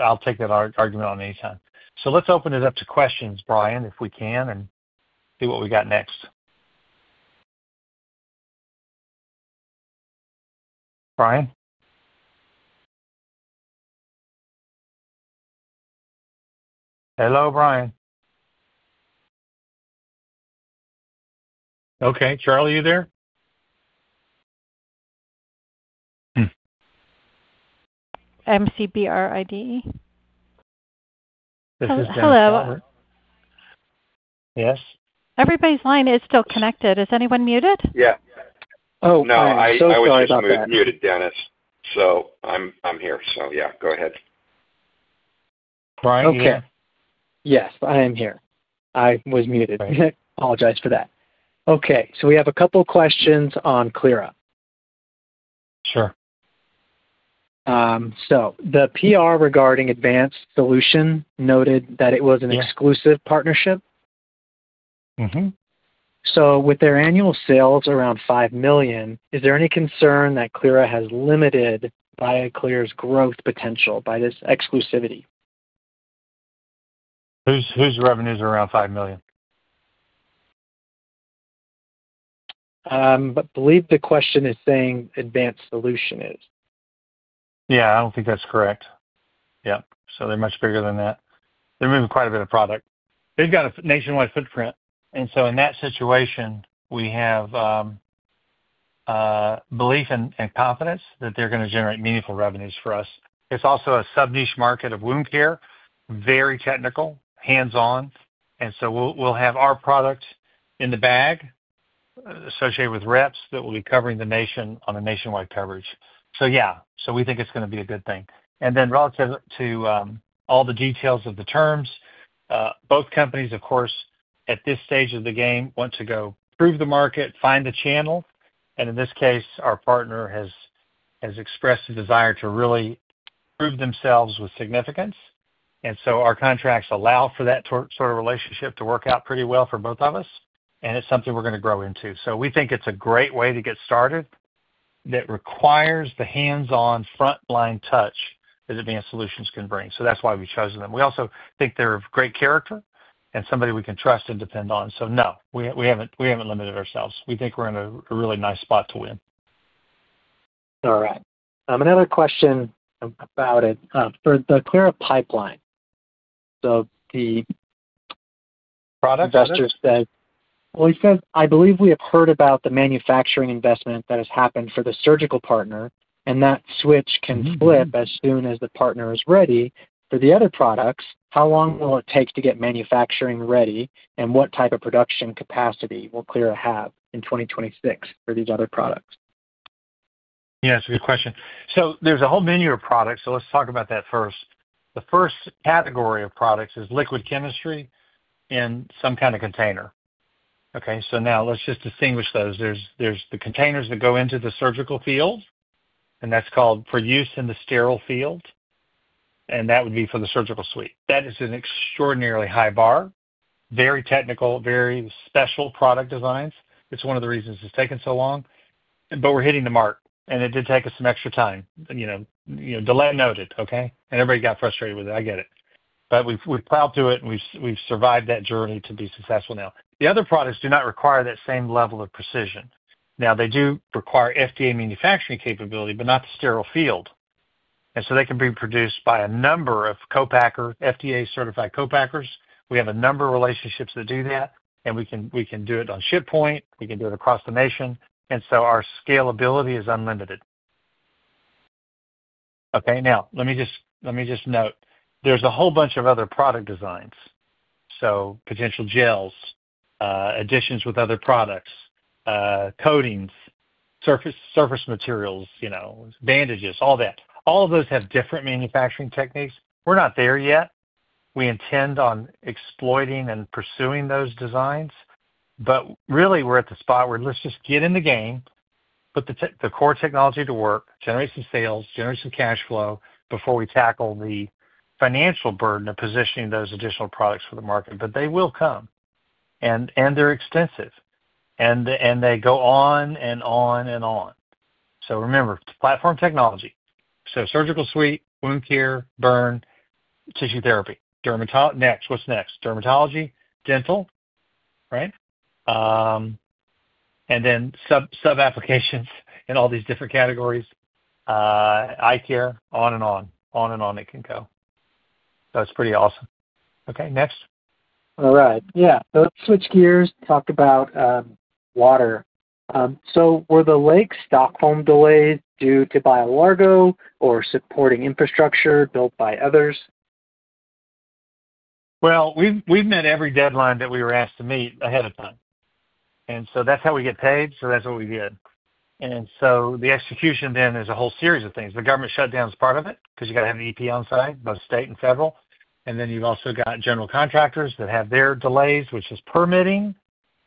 I'll take that argument on any time. Let's open it up to questions, Brian, if we can, and see what we got next. Brian? Hello, Brian. Okay. Charlie, are you there?
MCBRIDE.
This is Dennis Calvert.
Hello.
Yes?
Everybody's line is still connected. Is anyone muted?
Yeah.
Oh, sorry.
No, I was just muted, Dennis. So I'm here. Yeah, go ahead.
Brian here?
Okay. Yes, I am here. I was muted. Apologize for that. Okay. So we have a couple of questions on CLYRA.
Sure.
The PR regarding Advanced Solution noted that it was an exclusive partnership. With their annual sales around $5 million, is there any concern that CLYRA has limited BioClear's growth potential by this exclusivity?
Whose revenues are around $5 million?
I believe the question is saying Advanced Solution is.
Yeah, I don't think that's correct. Yep. They're much bigger than that. They're moving quite a bit of product. They've got a nationwide footprint. In that situation, we have belief and confidence that they're going to generate meaningful revenues for us. It's also a sub-niche market of wound care, very technical, hands-on. We'll have our product in the bag associated with reps that will be covering the nation on a nationwide coverage. We think it's going to be a good thing. Relative to all the details of the terms, both companies, of course, at this stage of the game, want to go prove the market, find the channel. In this case, our partner has expressed a desire to really prove themselves with significance. Our contracts allow for that sort of relationship to work out pretty well for both of us. It's something we're going to grow into. We think it's a great way to get started that requires the hands-on frontline touch that Advanced Solution can bring. That's why we've chosen them. We also think they're of great character and somebody we can trust and depend on. No, we haven't limited ourselves. We think we're in a really nice spot to win.
All right. Another question about it. For the CLYRA pipeline, so the investor said.
Product?
He said, "I believe we have heard about the manufacturing investment that has happened for the surgical partner. That switch can flip as soon as the partner is ready for the other products. How long will it take to get manufacturing ready? What type of production capacity will CLYRA have in 2026 for these other products?
Yeah, it's a good question. There's a whole menu of products. Let's talk about that first. The first category of products is liquid chemistry in some kind of container. Okay? Now let's just distinguish those. There's the containers that go into the surgical field, and that's called for use in the sterile field. That would be for the surgical suite. That is an extraordinarily high bar, very technical, very special product designs. It's one of the reasons it's taken solong. We're hitting the mark. It did take us some extra time, delay noted, okay? Everybody got frustrated with it. I get it. We're proud to it, and we've survived that journey to be successful now. The other products do not require that same level of precision. They do require FDA manufacturing capability, but not the sterile field. They can be produced by a number of FDA-certified co-packers. We have a number of relationships that do that. We can do it on ship point. We can do it across the nation. Our scalability is unlimited. Okay? Let me just note. There is a whole bunch of other product designs. Potential gels, additions with other products, coatings, surface materials, bandages, all that. All of those have different manufacturing techniques. We're not there yet. We intend on exploiting and pursuing those designs. Really, we're at the spot where let's just get in the game, put the core technology to work, generate some sales, generate some cash flow before we tackle the financial burden of positioning those additional products for the market. They will come. They are extensive. They go on and on and on. Remember, Platform Technology. Surgical suite, wound care, burn, tissue therapy. Next, what's next? Dermatology, dental, right? And then sub-applications in all these different categories, eye care, on and on, on and on it can go. It's pretty awesome. Okay, next.
All right. Yeah. Let's switch gears, talk about water. Were the Lake Stockholm delays due to BioLargo or supporting infrastructure built by others?
We've met every deadline that we were asked to meet ahead of time. That's how we get paid. That's what we did. The execution then is a whole series of things. The government shutdown is part of it because you got to have an EP on site, both State and Federal. You've also got general contractors that have their delays, which is permitting,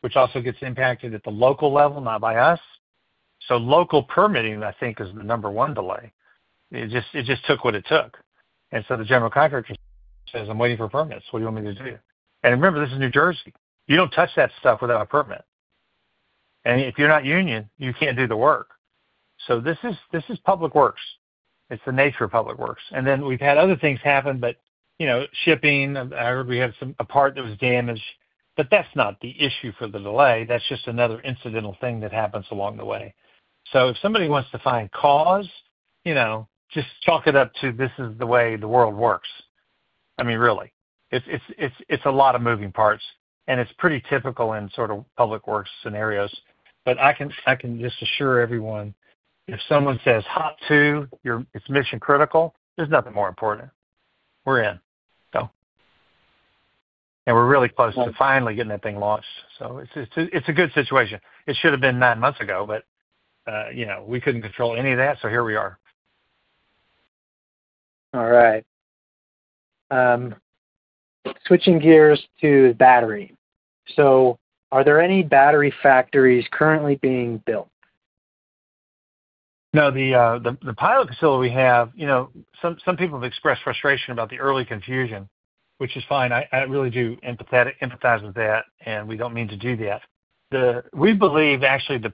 which also gets impacted at the local level, not by us. Local permitting, I think, is the number one delay. It just took what it took. The general contractor says, "I'm waiting for permits. What do you want me to do?" Remember, this is New Jersey. You don't touch that stuff without a permit. If you're not union, you can't do the work. This is public works. It's the nature of public works. We've had other things happen, but shipping, I heard we had a part that was damaged. That's not the issue for the delay. That's just another incidental thing that happens along the way. If somebody wants to find cause, just chalk it up to this is the way the world works. I mean, really. It's a lot of moving parts. It's pretty typical in sort of public works scenarios. I can just assure everyone, if someone says, "Hot two, it's mission critical," there's nothing more important. We're in. We're really close to finally getting that thing launched. It's a good situation. It should have been nine months ago, but we couldn't control any of that. Here we are.
All right. Switching gears to battery. Are there any battery factories currently being built?
No, the pilot facility we have, some people have expressed frustration about the early confusion, which is fine. I really do empathize with that. I really do. We do not mean to do that. We believe, actually, the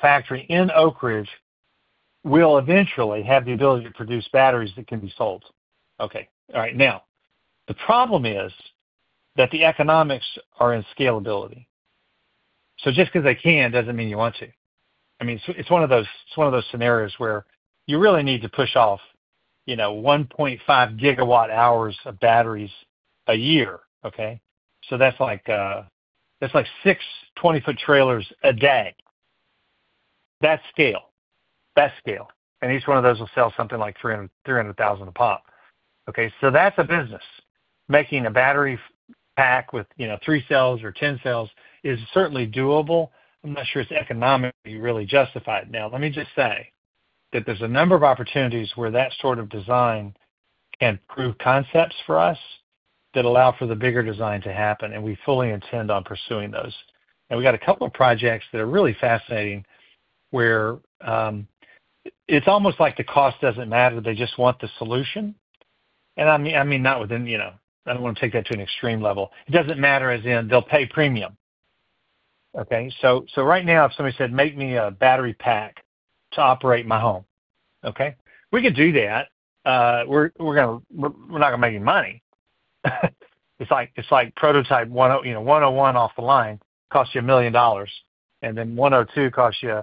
factory in Oakridge will eventually have the ability to produce batteries that can be sold. Okay. All right. Now, the problem is that the economics are in scalability. Just because they can does not mean you want to. I mean, it is one of those scenarios where you really need to push off 1.5 gigawatt hours of batteries a year, okay? That is like six 20-foot trailers a day. That scale. That scale. Each one of those will sell something like $300,000 a pop. Okay? That is a business. Making a battery pack with three cells or 10 cells is certainly doable. I am not sure it is economically really justified. Now, let me just say that there's a number of opportunities where that sort of design can prove concepts for us that allow for the bigger design to happen. We fully intend on pursuing those. We got a couple of projects that are really fascinating where it's almost like the cost doesn't matter. They just want the solution. I mean, not within, I don't want to take that to an extreme level. It doesn't matter as in they'll pay premium. Okay? Right now, if somebody said, "Make me a battery pack to operate my home," okay? We can do that. We're not going to make any money. It's like prototype 101 off the line costs you $1 million. Then 102 costs you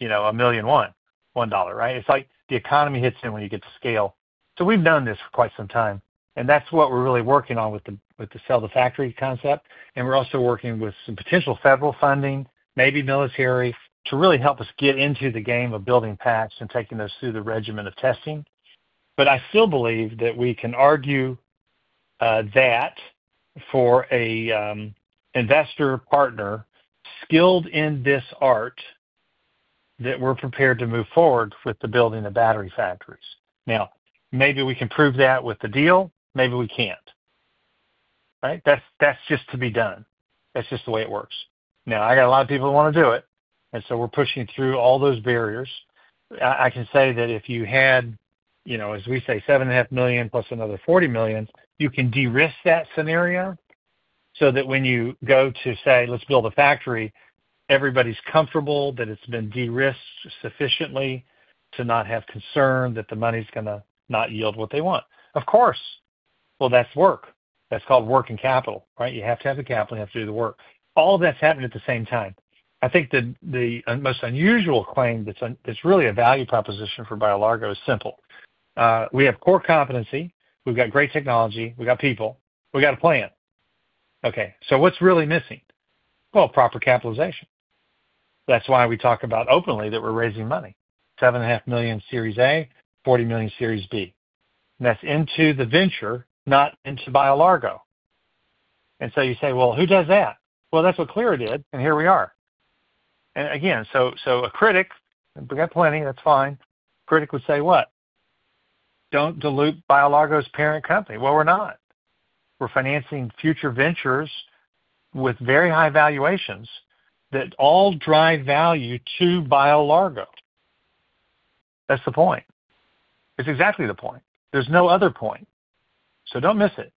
$1.1 million, right? It's like the economy hits you when you get to scale. We've done this for quite some time. That's what we're really working on with the sell the factory concept. We're also working with some potential federal funding, maybe military, to really help us get into the game of building packs and taking those through the regimen of testing. I still believe that we can argue that for an investor partner skilled in this art, we're prepared to move forward with the building of battery factories. Maybe we can prove that with the deal. Maybe we can't. Right? That's just to be done. That's just the way it works. I got a lot of people who want to do it. We're pushing through all those barriers. I can say that if you had, as we say, $7.5 million plus another $40 million, you can de-risk that scenario so that when you go to say, "Let's build a factory," everybody's comfortable that it's been de-risked sufficiently to not have concern that the money's going to not yield what they want. Of course. That's work. That's called working capital, right? You have to have the capital. You have to do the work. All of that's happening at the same time. I think the most unusual claim that's really a value proposition for BioLargo is simple. We have core competency. We've got great technology. We've got people. We've got a plan. Okay. What's really missing? Proper capitalization. That's why we talk about openly that we're raising money. $7.5 million Series A, $40 million Series B. That's into the venture, not into BioLargo. You say, "Who does that?" That is what CLYRA did. Here we are. Again, a critic, we got plenty. That is fine. A critic would say, "Do not dilute BioLargo's parent company." We are not. We are financing future ventures with very high valuations that all drive value to BioLargo. That is the point. It is exactly the point. There is no other point. Do not miss it.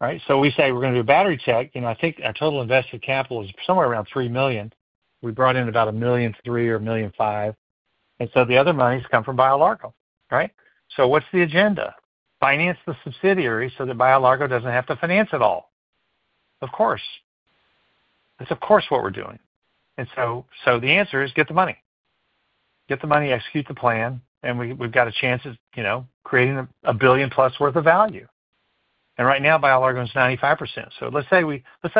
Right? We say we are going to do a Battery Tech. I think our total invested capital is somewhere around $3 million. We brought in about $1.3 million or $1.5 million. The other money has come from BioLargo. What is the agenda? Finance the subsidiary so that BioLargo does not have to finance it all. Of course. That is what we are doing. The answer is get the money. Get the money, execute the plan. We've got a chance of creating a billion-plus worth of value. Right now, BioLargo is 95%. Let's say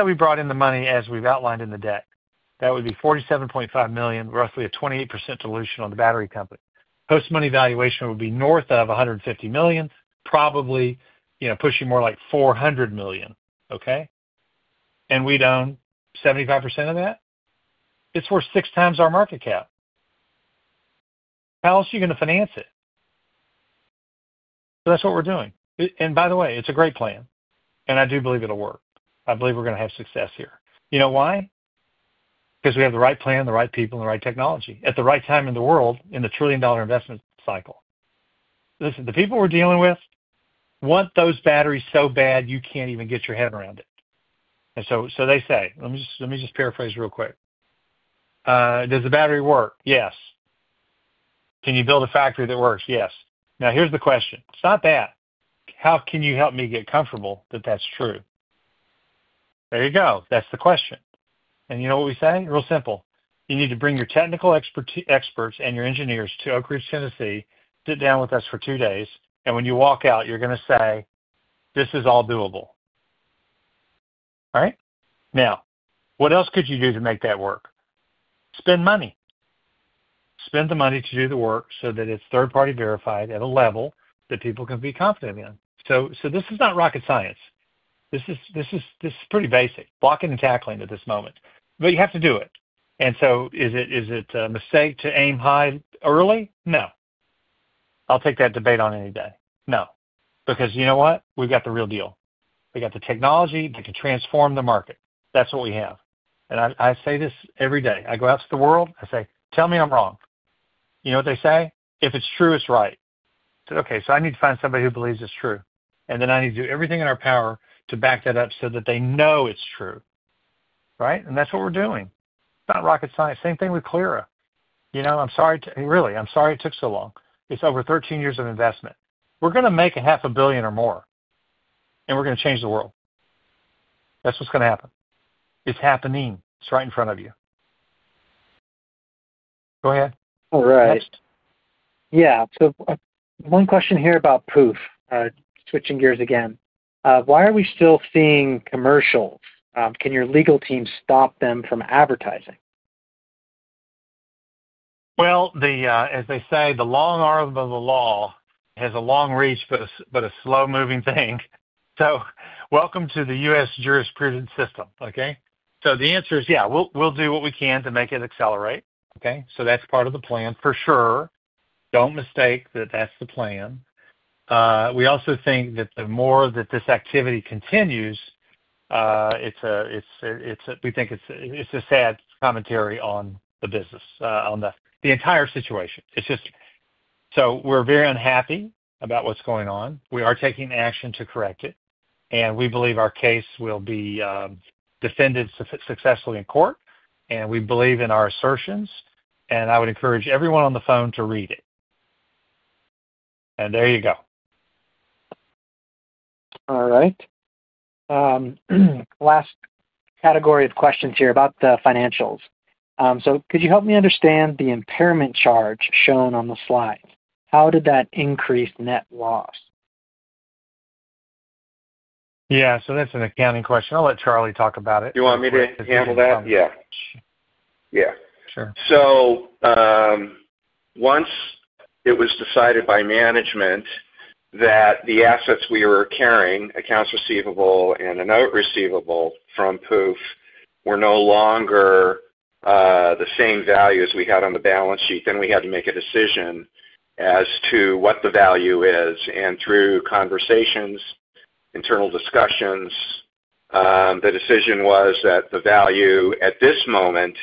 we brought in the money as we've outlined in the debt. That would be $47.5 million, roughly a 28% dilution on the battery company. Post-money valuation would be north of $150 million, probably pushing more like $400 million, okay? We'd own 75% of that. It's worth six times our market cap. How else are you going to finance it? That's what we're doing. By the way, it's a great plan. I do believe it'll work. I believe we're going to have success here. You know why? Because we have the right plan, the right people, and the right technology at the right time in the world in the trillion dollar investment cycle. Listen, the people we're dealing with want those batteries so bad you can't even get your head around it. They say, "Let me just paraphrase real quick. Does the battery work? Yes. Can you build a factory that works? Yes." Now, here's the question. It's not that. How can you help me get comfortable that that's true? There you go. That's the question. You know what we say? Real simple. You need to bring your technical experts and your engineers to Oakridge, Tennessee, sit down with us for two days. When you walk out, you're going to say, "This is all doable." All right? What else could you do to make that work? Spend money. Spend the money to do the work so that it's third-party verified at a level that people can be confident in. This is not rocket science. This is pretty basic, blocking and tackling at this moment. You have to do it. Is it a mistake to aim high early? No. I'll take that debate on any day. No. Because you know what? We've got the real deal. We got the technology. We can transform the market. That's what we have. I say this every day. I go out to the world. I say, "Tell me I'm wrong." You know what they say? "If it's true, it's right." I said, "Okay. I need to find somebody who believes it's true. Then I need to do everything in our power to back that up so that they know it's true." Right? That's what we're doing. It's not rocket science. Same thing with CLYRA. I'm sorry. Really, I'm sorry it took so long. It's over 13 years of investment. We're going to make $500,000,000 or more. And we're going to change the world. That's what's going to happen. It's happening. It's right in front of you. Go ahead.
All right. Yeah. So one question here about Pooph. Switching gears again. Why are we still seeing commercials? Can your legal team stop them from advertising?
As they say, the long arm of the law has a long reach, but a slow-moving thing. Welcome to the U.S. jurisprudence system, okay? The answer is, yeah, we'll do what we can to make it accelerate, okay? That's part of the plan, for sure. Don't mistake that that's the plan. We also think that the more that this activity continues, we think it's a sad commentary on the business, on the entire situation. We're very unhappy about what's going on. We are taking action to correct it. We believe our case will be defended successfully in court. We believe in our assertions. I would encourage everyone on the phone to read it. There you go.
All right. Last category of questions here about the financials. So could you help me understand the impairment charge shown on the slide? How did that increase net loss?
Yeah. So that's an accounting question. I'll let Charlie talk about it.
Do you want me to handle that?
Yeah. Yeah.
Sure. Once it was decided by management that the assets we were carrying, accounts receivable and a note receivable from Pooph, were no longer the same value as we had on the balance sheet, we had to make a decision as to what the value is. Through conversations, internal discussions, the decision was that the value at this moment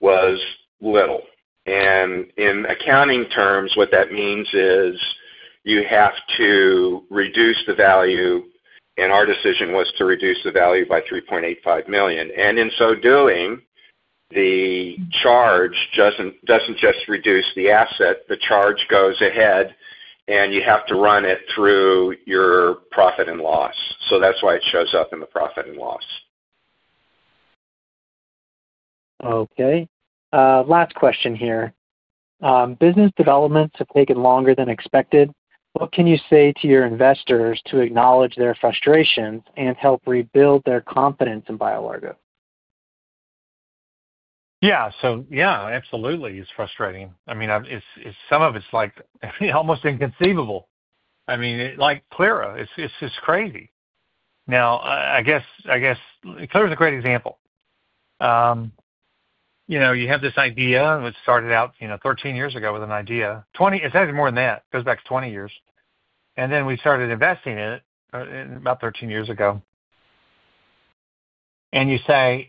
was little. In accounting terms, what that means is you have to reduce the value. Our decision was to reduce the value by $3.85 million. In so doing, the charge does not just reduce the asset. The charge goes ahead, and you have to run it through your profit and loss. That is why it shows up in the profit and loss.
Okay. Last question here. Business developments have taken longer than expected. What can you say to your investors to acknowledge their frustrations and help rebuild their confidence in BioLargo?
Yeah. So yeah, absolutely. It's frustrating. I mean, some of it's almost inconceivable. I mean, like CLYRA. It's just crazy. Now, I guess CLYRA is a great example. You have this idea. It started out 13 years ago with an idea. It's actually more than that. It goes back 20 years. And then we started investing in it about 13 years ago. You say,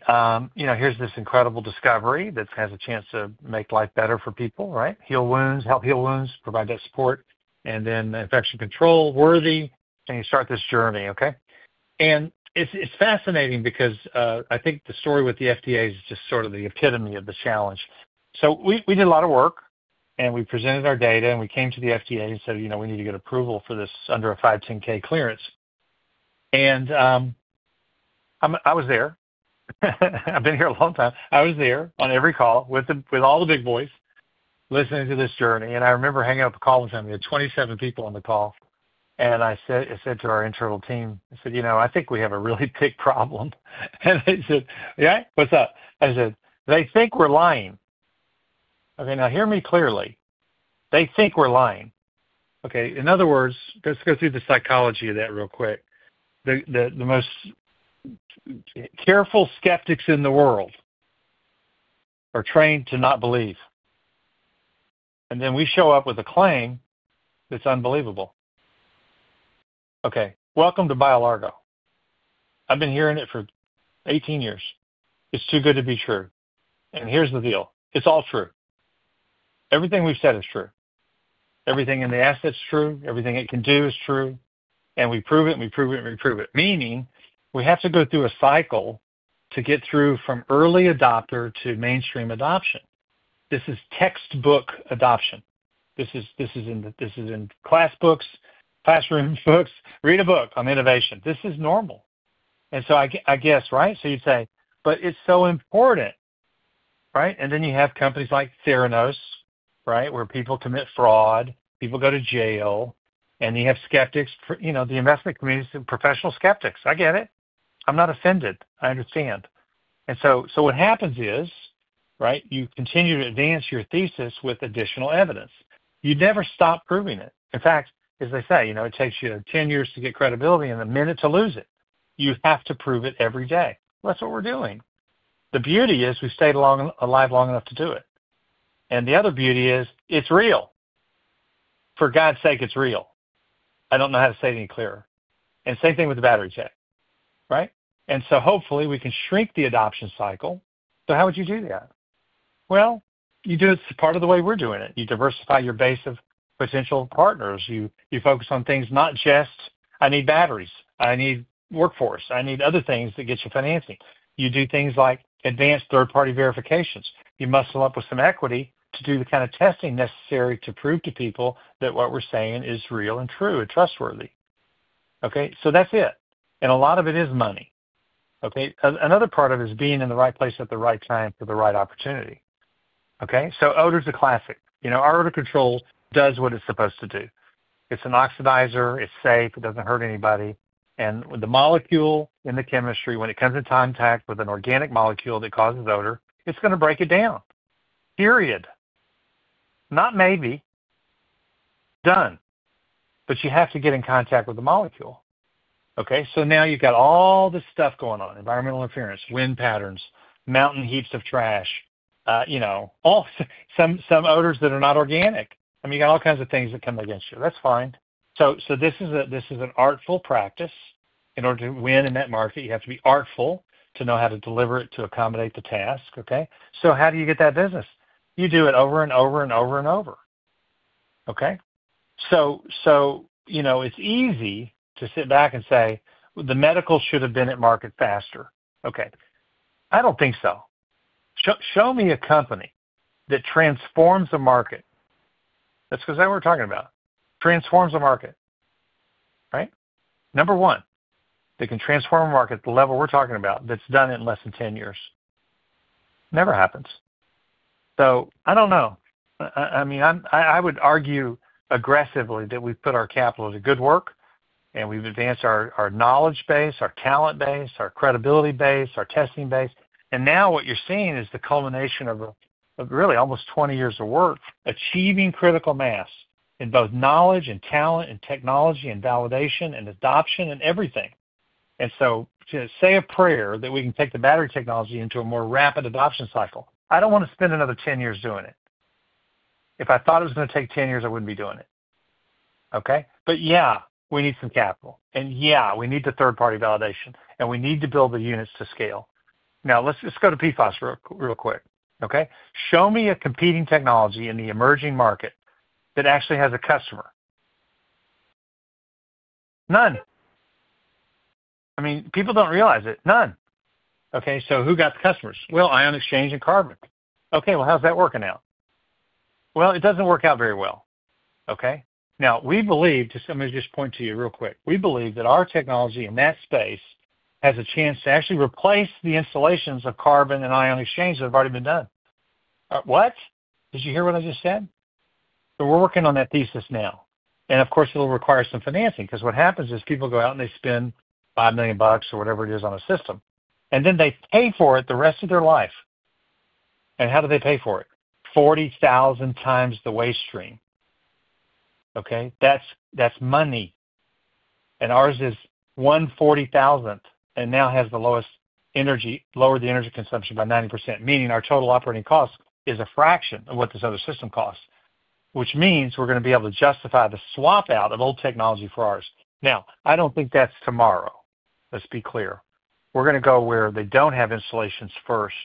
"Here's this incredible discovery that has a chance to make life better for people," right? Heal wounds, help heal wounds, provide that support, and then infection control worthy. You start this journey, okay? It's fascinating because I think the story with the FDA is just sort of the epitome of the challenge. We did a lot of work. We presented our data. We came to the FDA and said, "We need to get approval for this under a 510(k) clearance." I was there. I've been here a long time. I was there on every call with all the big boys listening to this journey. I remember hanging up the call with them. We had 27 people on the call. I said to our internal team, "I think we have a really big problem." They said, "Yeah? What's up?" I said, "They think we're lying." Okay. Now, hear me clearly. They think we're lying. Okay? In other words, let's go through the psychology of that real quick. The most careful skeptics in the world are trained to not believe. Then we show up with a claim that's unbelievable. Okay. Welcome to BioLargo. I've been hearing it for 18 years. It's too good to be true. Here's the deal. It's all true. Everything we've said is true. Everything in the asset is true. Everything it can do is true. We prove it. We prove it. We prove it. Meaning we have to go through a cycle to get through from early adopter to mainstream adoption. This is textbook adoption. This is in class books, classroom books. Read a book on innovation. This is normal. I guess, right? You'd say, "But it's so important," right? You have companies like Theranos, right, where people commit fraud. People go to jail. You have skeptics. The investment community is professional skeptics. I get it. I'm not offended. I understand. What happens is, right, you continue to advance your thesis with additional evidence. You never stop proving it. In fact, as they say, it takes you 10 years to get credibility and a minute to lose it. You have to prove it every day. That's what we're doing. The beauty is we stayed alive long enough to do it. The other beauty is it's real. For God's sake, it's real. I don't know how to say it any clearer. Same thing with the Battery Tech, right? Hopefully, we can shrink the adoption cycle. How would you do that? You do it as part of the way we're doing it. You diversify your base of potential partners. You focus on things not just, "I need batteries. I need workforce. I need other things that get you financing." You do things like advanced third-party verifications. You muscle up with some equity to do the kind of testing necessary to prove to people that what we're saying is real and true and trustworthy. Okay? So that's it. And a lot of it is money. Okay? Another part of it is being in the right place at the right time for the right opportunity. Okay? Odor's a classic. Our odor control does what it's supposed to do. It's an Oxidizer. It's safe. It doesn't hurt anybody. And the molecule in the chemistry, when it comes in contact with an organic molecule that causes odor, it's going to break it down. Period. Not maybe. Done. But you have to get in contact with the molecule. Okay? Now you've got all this stuff going on. Environmental interference, wind patterns, mountain heaps of trash, some odors that are not organic. I mean, you got all kinds of things that come against you. That's fine. This is an artful practice. In order to win in that market, you have to be artful to know how to deliver it to accommodate the task, okay? How do you get that business? You do it over and over and over and over. Okay? It's easy to sit back and say, "The medical should have been at market faster." Okay. I don't think so. Show me a company that transforms the market. That's what we're talking about. Transforms the market. Right? Number one, they can transform a market at the level we're talking about that's done it in less than 10 years. Never happens. I don't know. I mean, I would argue aggressively that we've put our capital into good work. We have advanced our knowledge base, our talent base, our credibility base, our testing base. Now what you are seeing is the culmination of really almost 20 years of work achieving critical mass in both knowledge and talent and technology and validation and adoption and everything. Say a prayer that we can take the Battery Technology into a more rapid adoption cycle. I do not want to spend another 10 years doing it. If I thought it was going to take 10 years, I would not be doing it. Okay? We need some capital. We need the third-party validation. We need to build the units to scale. Now, let's go to PFAS real quick. Okay? Show me a competing technology in the emerging market that actually has a customer. None. People do not realize it. None. Okay? Who got the customers? Ion Exchange and Carbon. Okay. How's that working out? It doesn't work out very well. Okay? Now, we believe—just let me just point to you real quick—we believe that our technology in that space has a chance to actually replace the installations of Carbon and Ion Exchange that have already been done. What? Did you hear what I just said? We're working on that thesis now. Of course, it'll require some financing. Because what happens is people go out and they spend $5 million or whatever it is on a system. Then they pay for it the rest of their life. How do they pay for it? 40,000 times the waste stream. Okay? That's money. Ours is one 40,000th and now has the lowest energy, lowered the energy consumption by 90%. Meaning our total operating cost is a fraction of what this other system costs. Which means we're going to be able to justify the swap out of old technology for ours. Now, I don't think that's tomorrow. Let's be clear. We're going to go where they don't have installations first.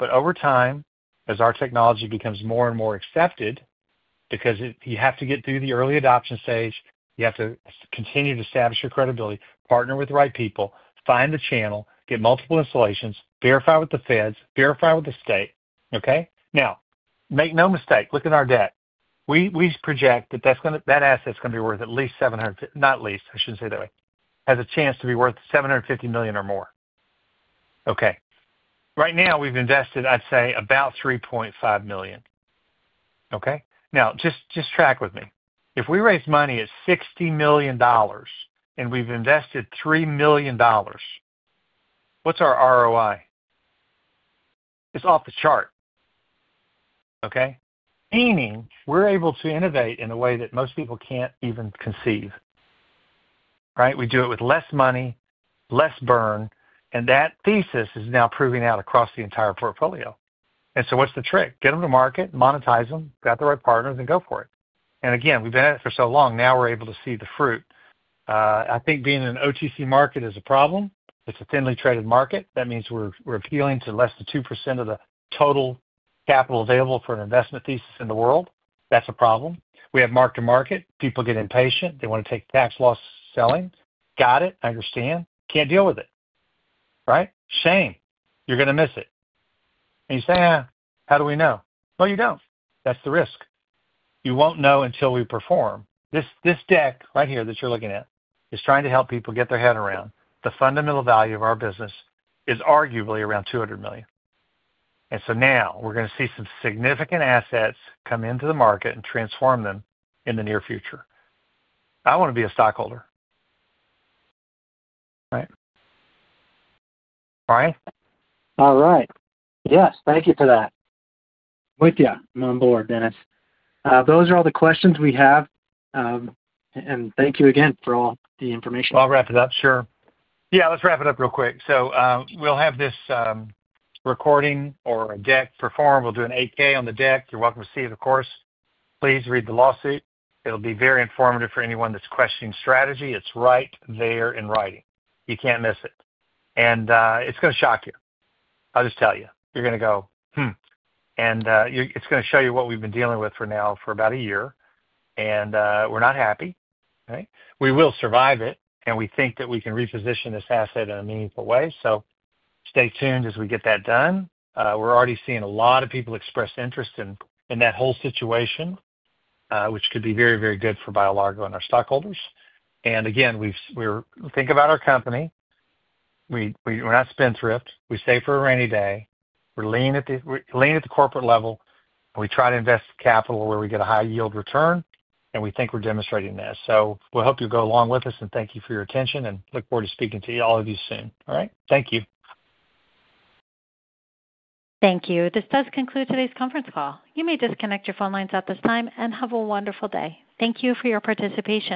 Over time, as our technology becomes more and more accepted, because you have to get through the early adoption stage, you have to continue to establish your credibility, partner with the right people, find the channel, get multiple installations, verify with the feds, verify with the state. Okay? Now, make no mistake. Look at our debt. We project that that asset's going to be worth at least $700 million—not at least. I shouldn't say that way—has a chance to be worth $750 million or more. Okay. Right now, we've invested, I'd say, about $3.5 million. Okay? Now, just track with me. If we raise money at $60 million and we've invested $3 million, what's our ROI? It's off the chart. Okay? Meaning we're able to innovate in a way that most people can't even conceive. Right? We do it with less money, less burn. That thesis is now proving out across the entire portfolio. What's the trick? Get them to market, monetize them, got the right partners, and go for it. We've been at it for so long. Now we're able to see the fruit. I think being in an OTC market is a problem. It's a thinly traded market. That means we're appealing to less than 2% of the total capital available for an investment thesis in the world. That's a problem. We have mark-to-market. People get impatient. They want to take tax loss selling. Got it. I understand. Can't deal with it. Right? Shame. You're going to miss it. You say, how do we know? You don't. That's the risk. You won't know until we perform. This deck right here that you're looking at is trying to help people get their head around the fundamental value of our business is arguably around $200 million. Now we're going to see some significant assets come into the market and transform them in the near future. I want to be a stockholder. Right? All right?
All right. Yes. Thank you for that. With you. I'm on board, Dennis. Those are all the questions we have. Thank you again for all the information.
I'll wrap it up. Sure. Yeah. Let's wrap it up real quick. We'll have this recording or a deck performed. We'll do an 8K on the deck. You're welcome to see it, of course. Please read the lawsuit. It'll be very informative for anyone that's questioning strategy. It's right there in writing. You can't miss it. It's going to shock you. I'll just tell you. You're going to go, and it's going to show you what we've been dealing with for now for about a year. We're not happy. Okay? We will survive it. We think that we can reposition this asset in a meaningful way. Stay tuned as we get that done. We're already seeing a lot of people express interest in that whole situation, which could be very, very good for BioLargo and our stockholders. Again, we think about our company. We're not spendthrift. We save for a rainy day. We're leaning at the corporate level. We try to invest capital where we get a high yield return. We think we're demonstrating that. We hope you'll go along with us. Thank you for your attention. We look forward to speaking to all of you soon. All right? Thank you.
Thank you. This does conclude today's conference call. You may disconnect your phone lines at this time and have a wonderful day. Thank you for your participation.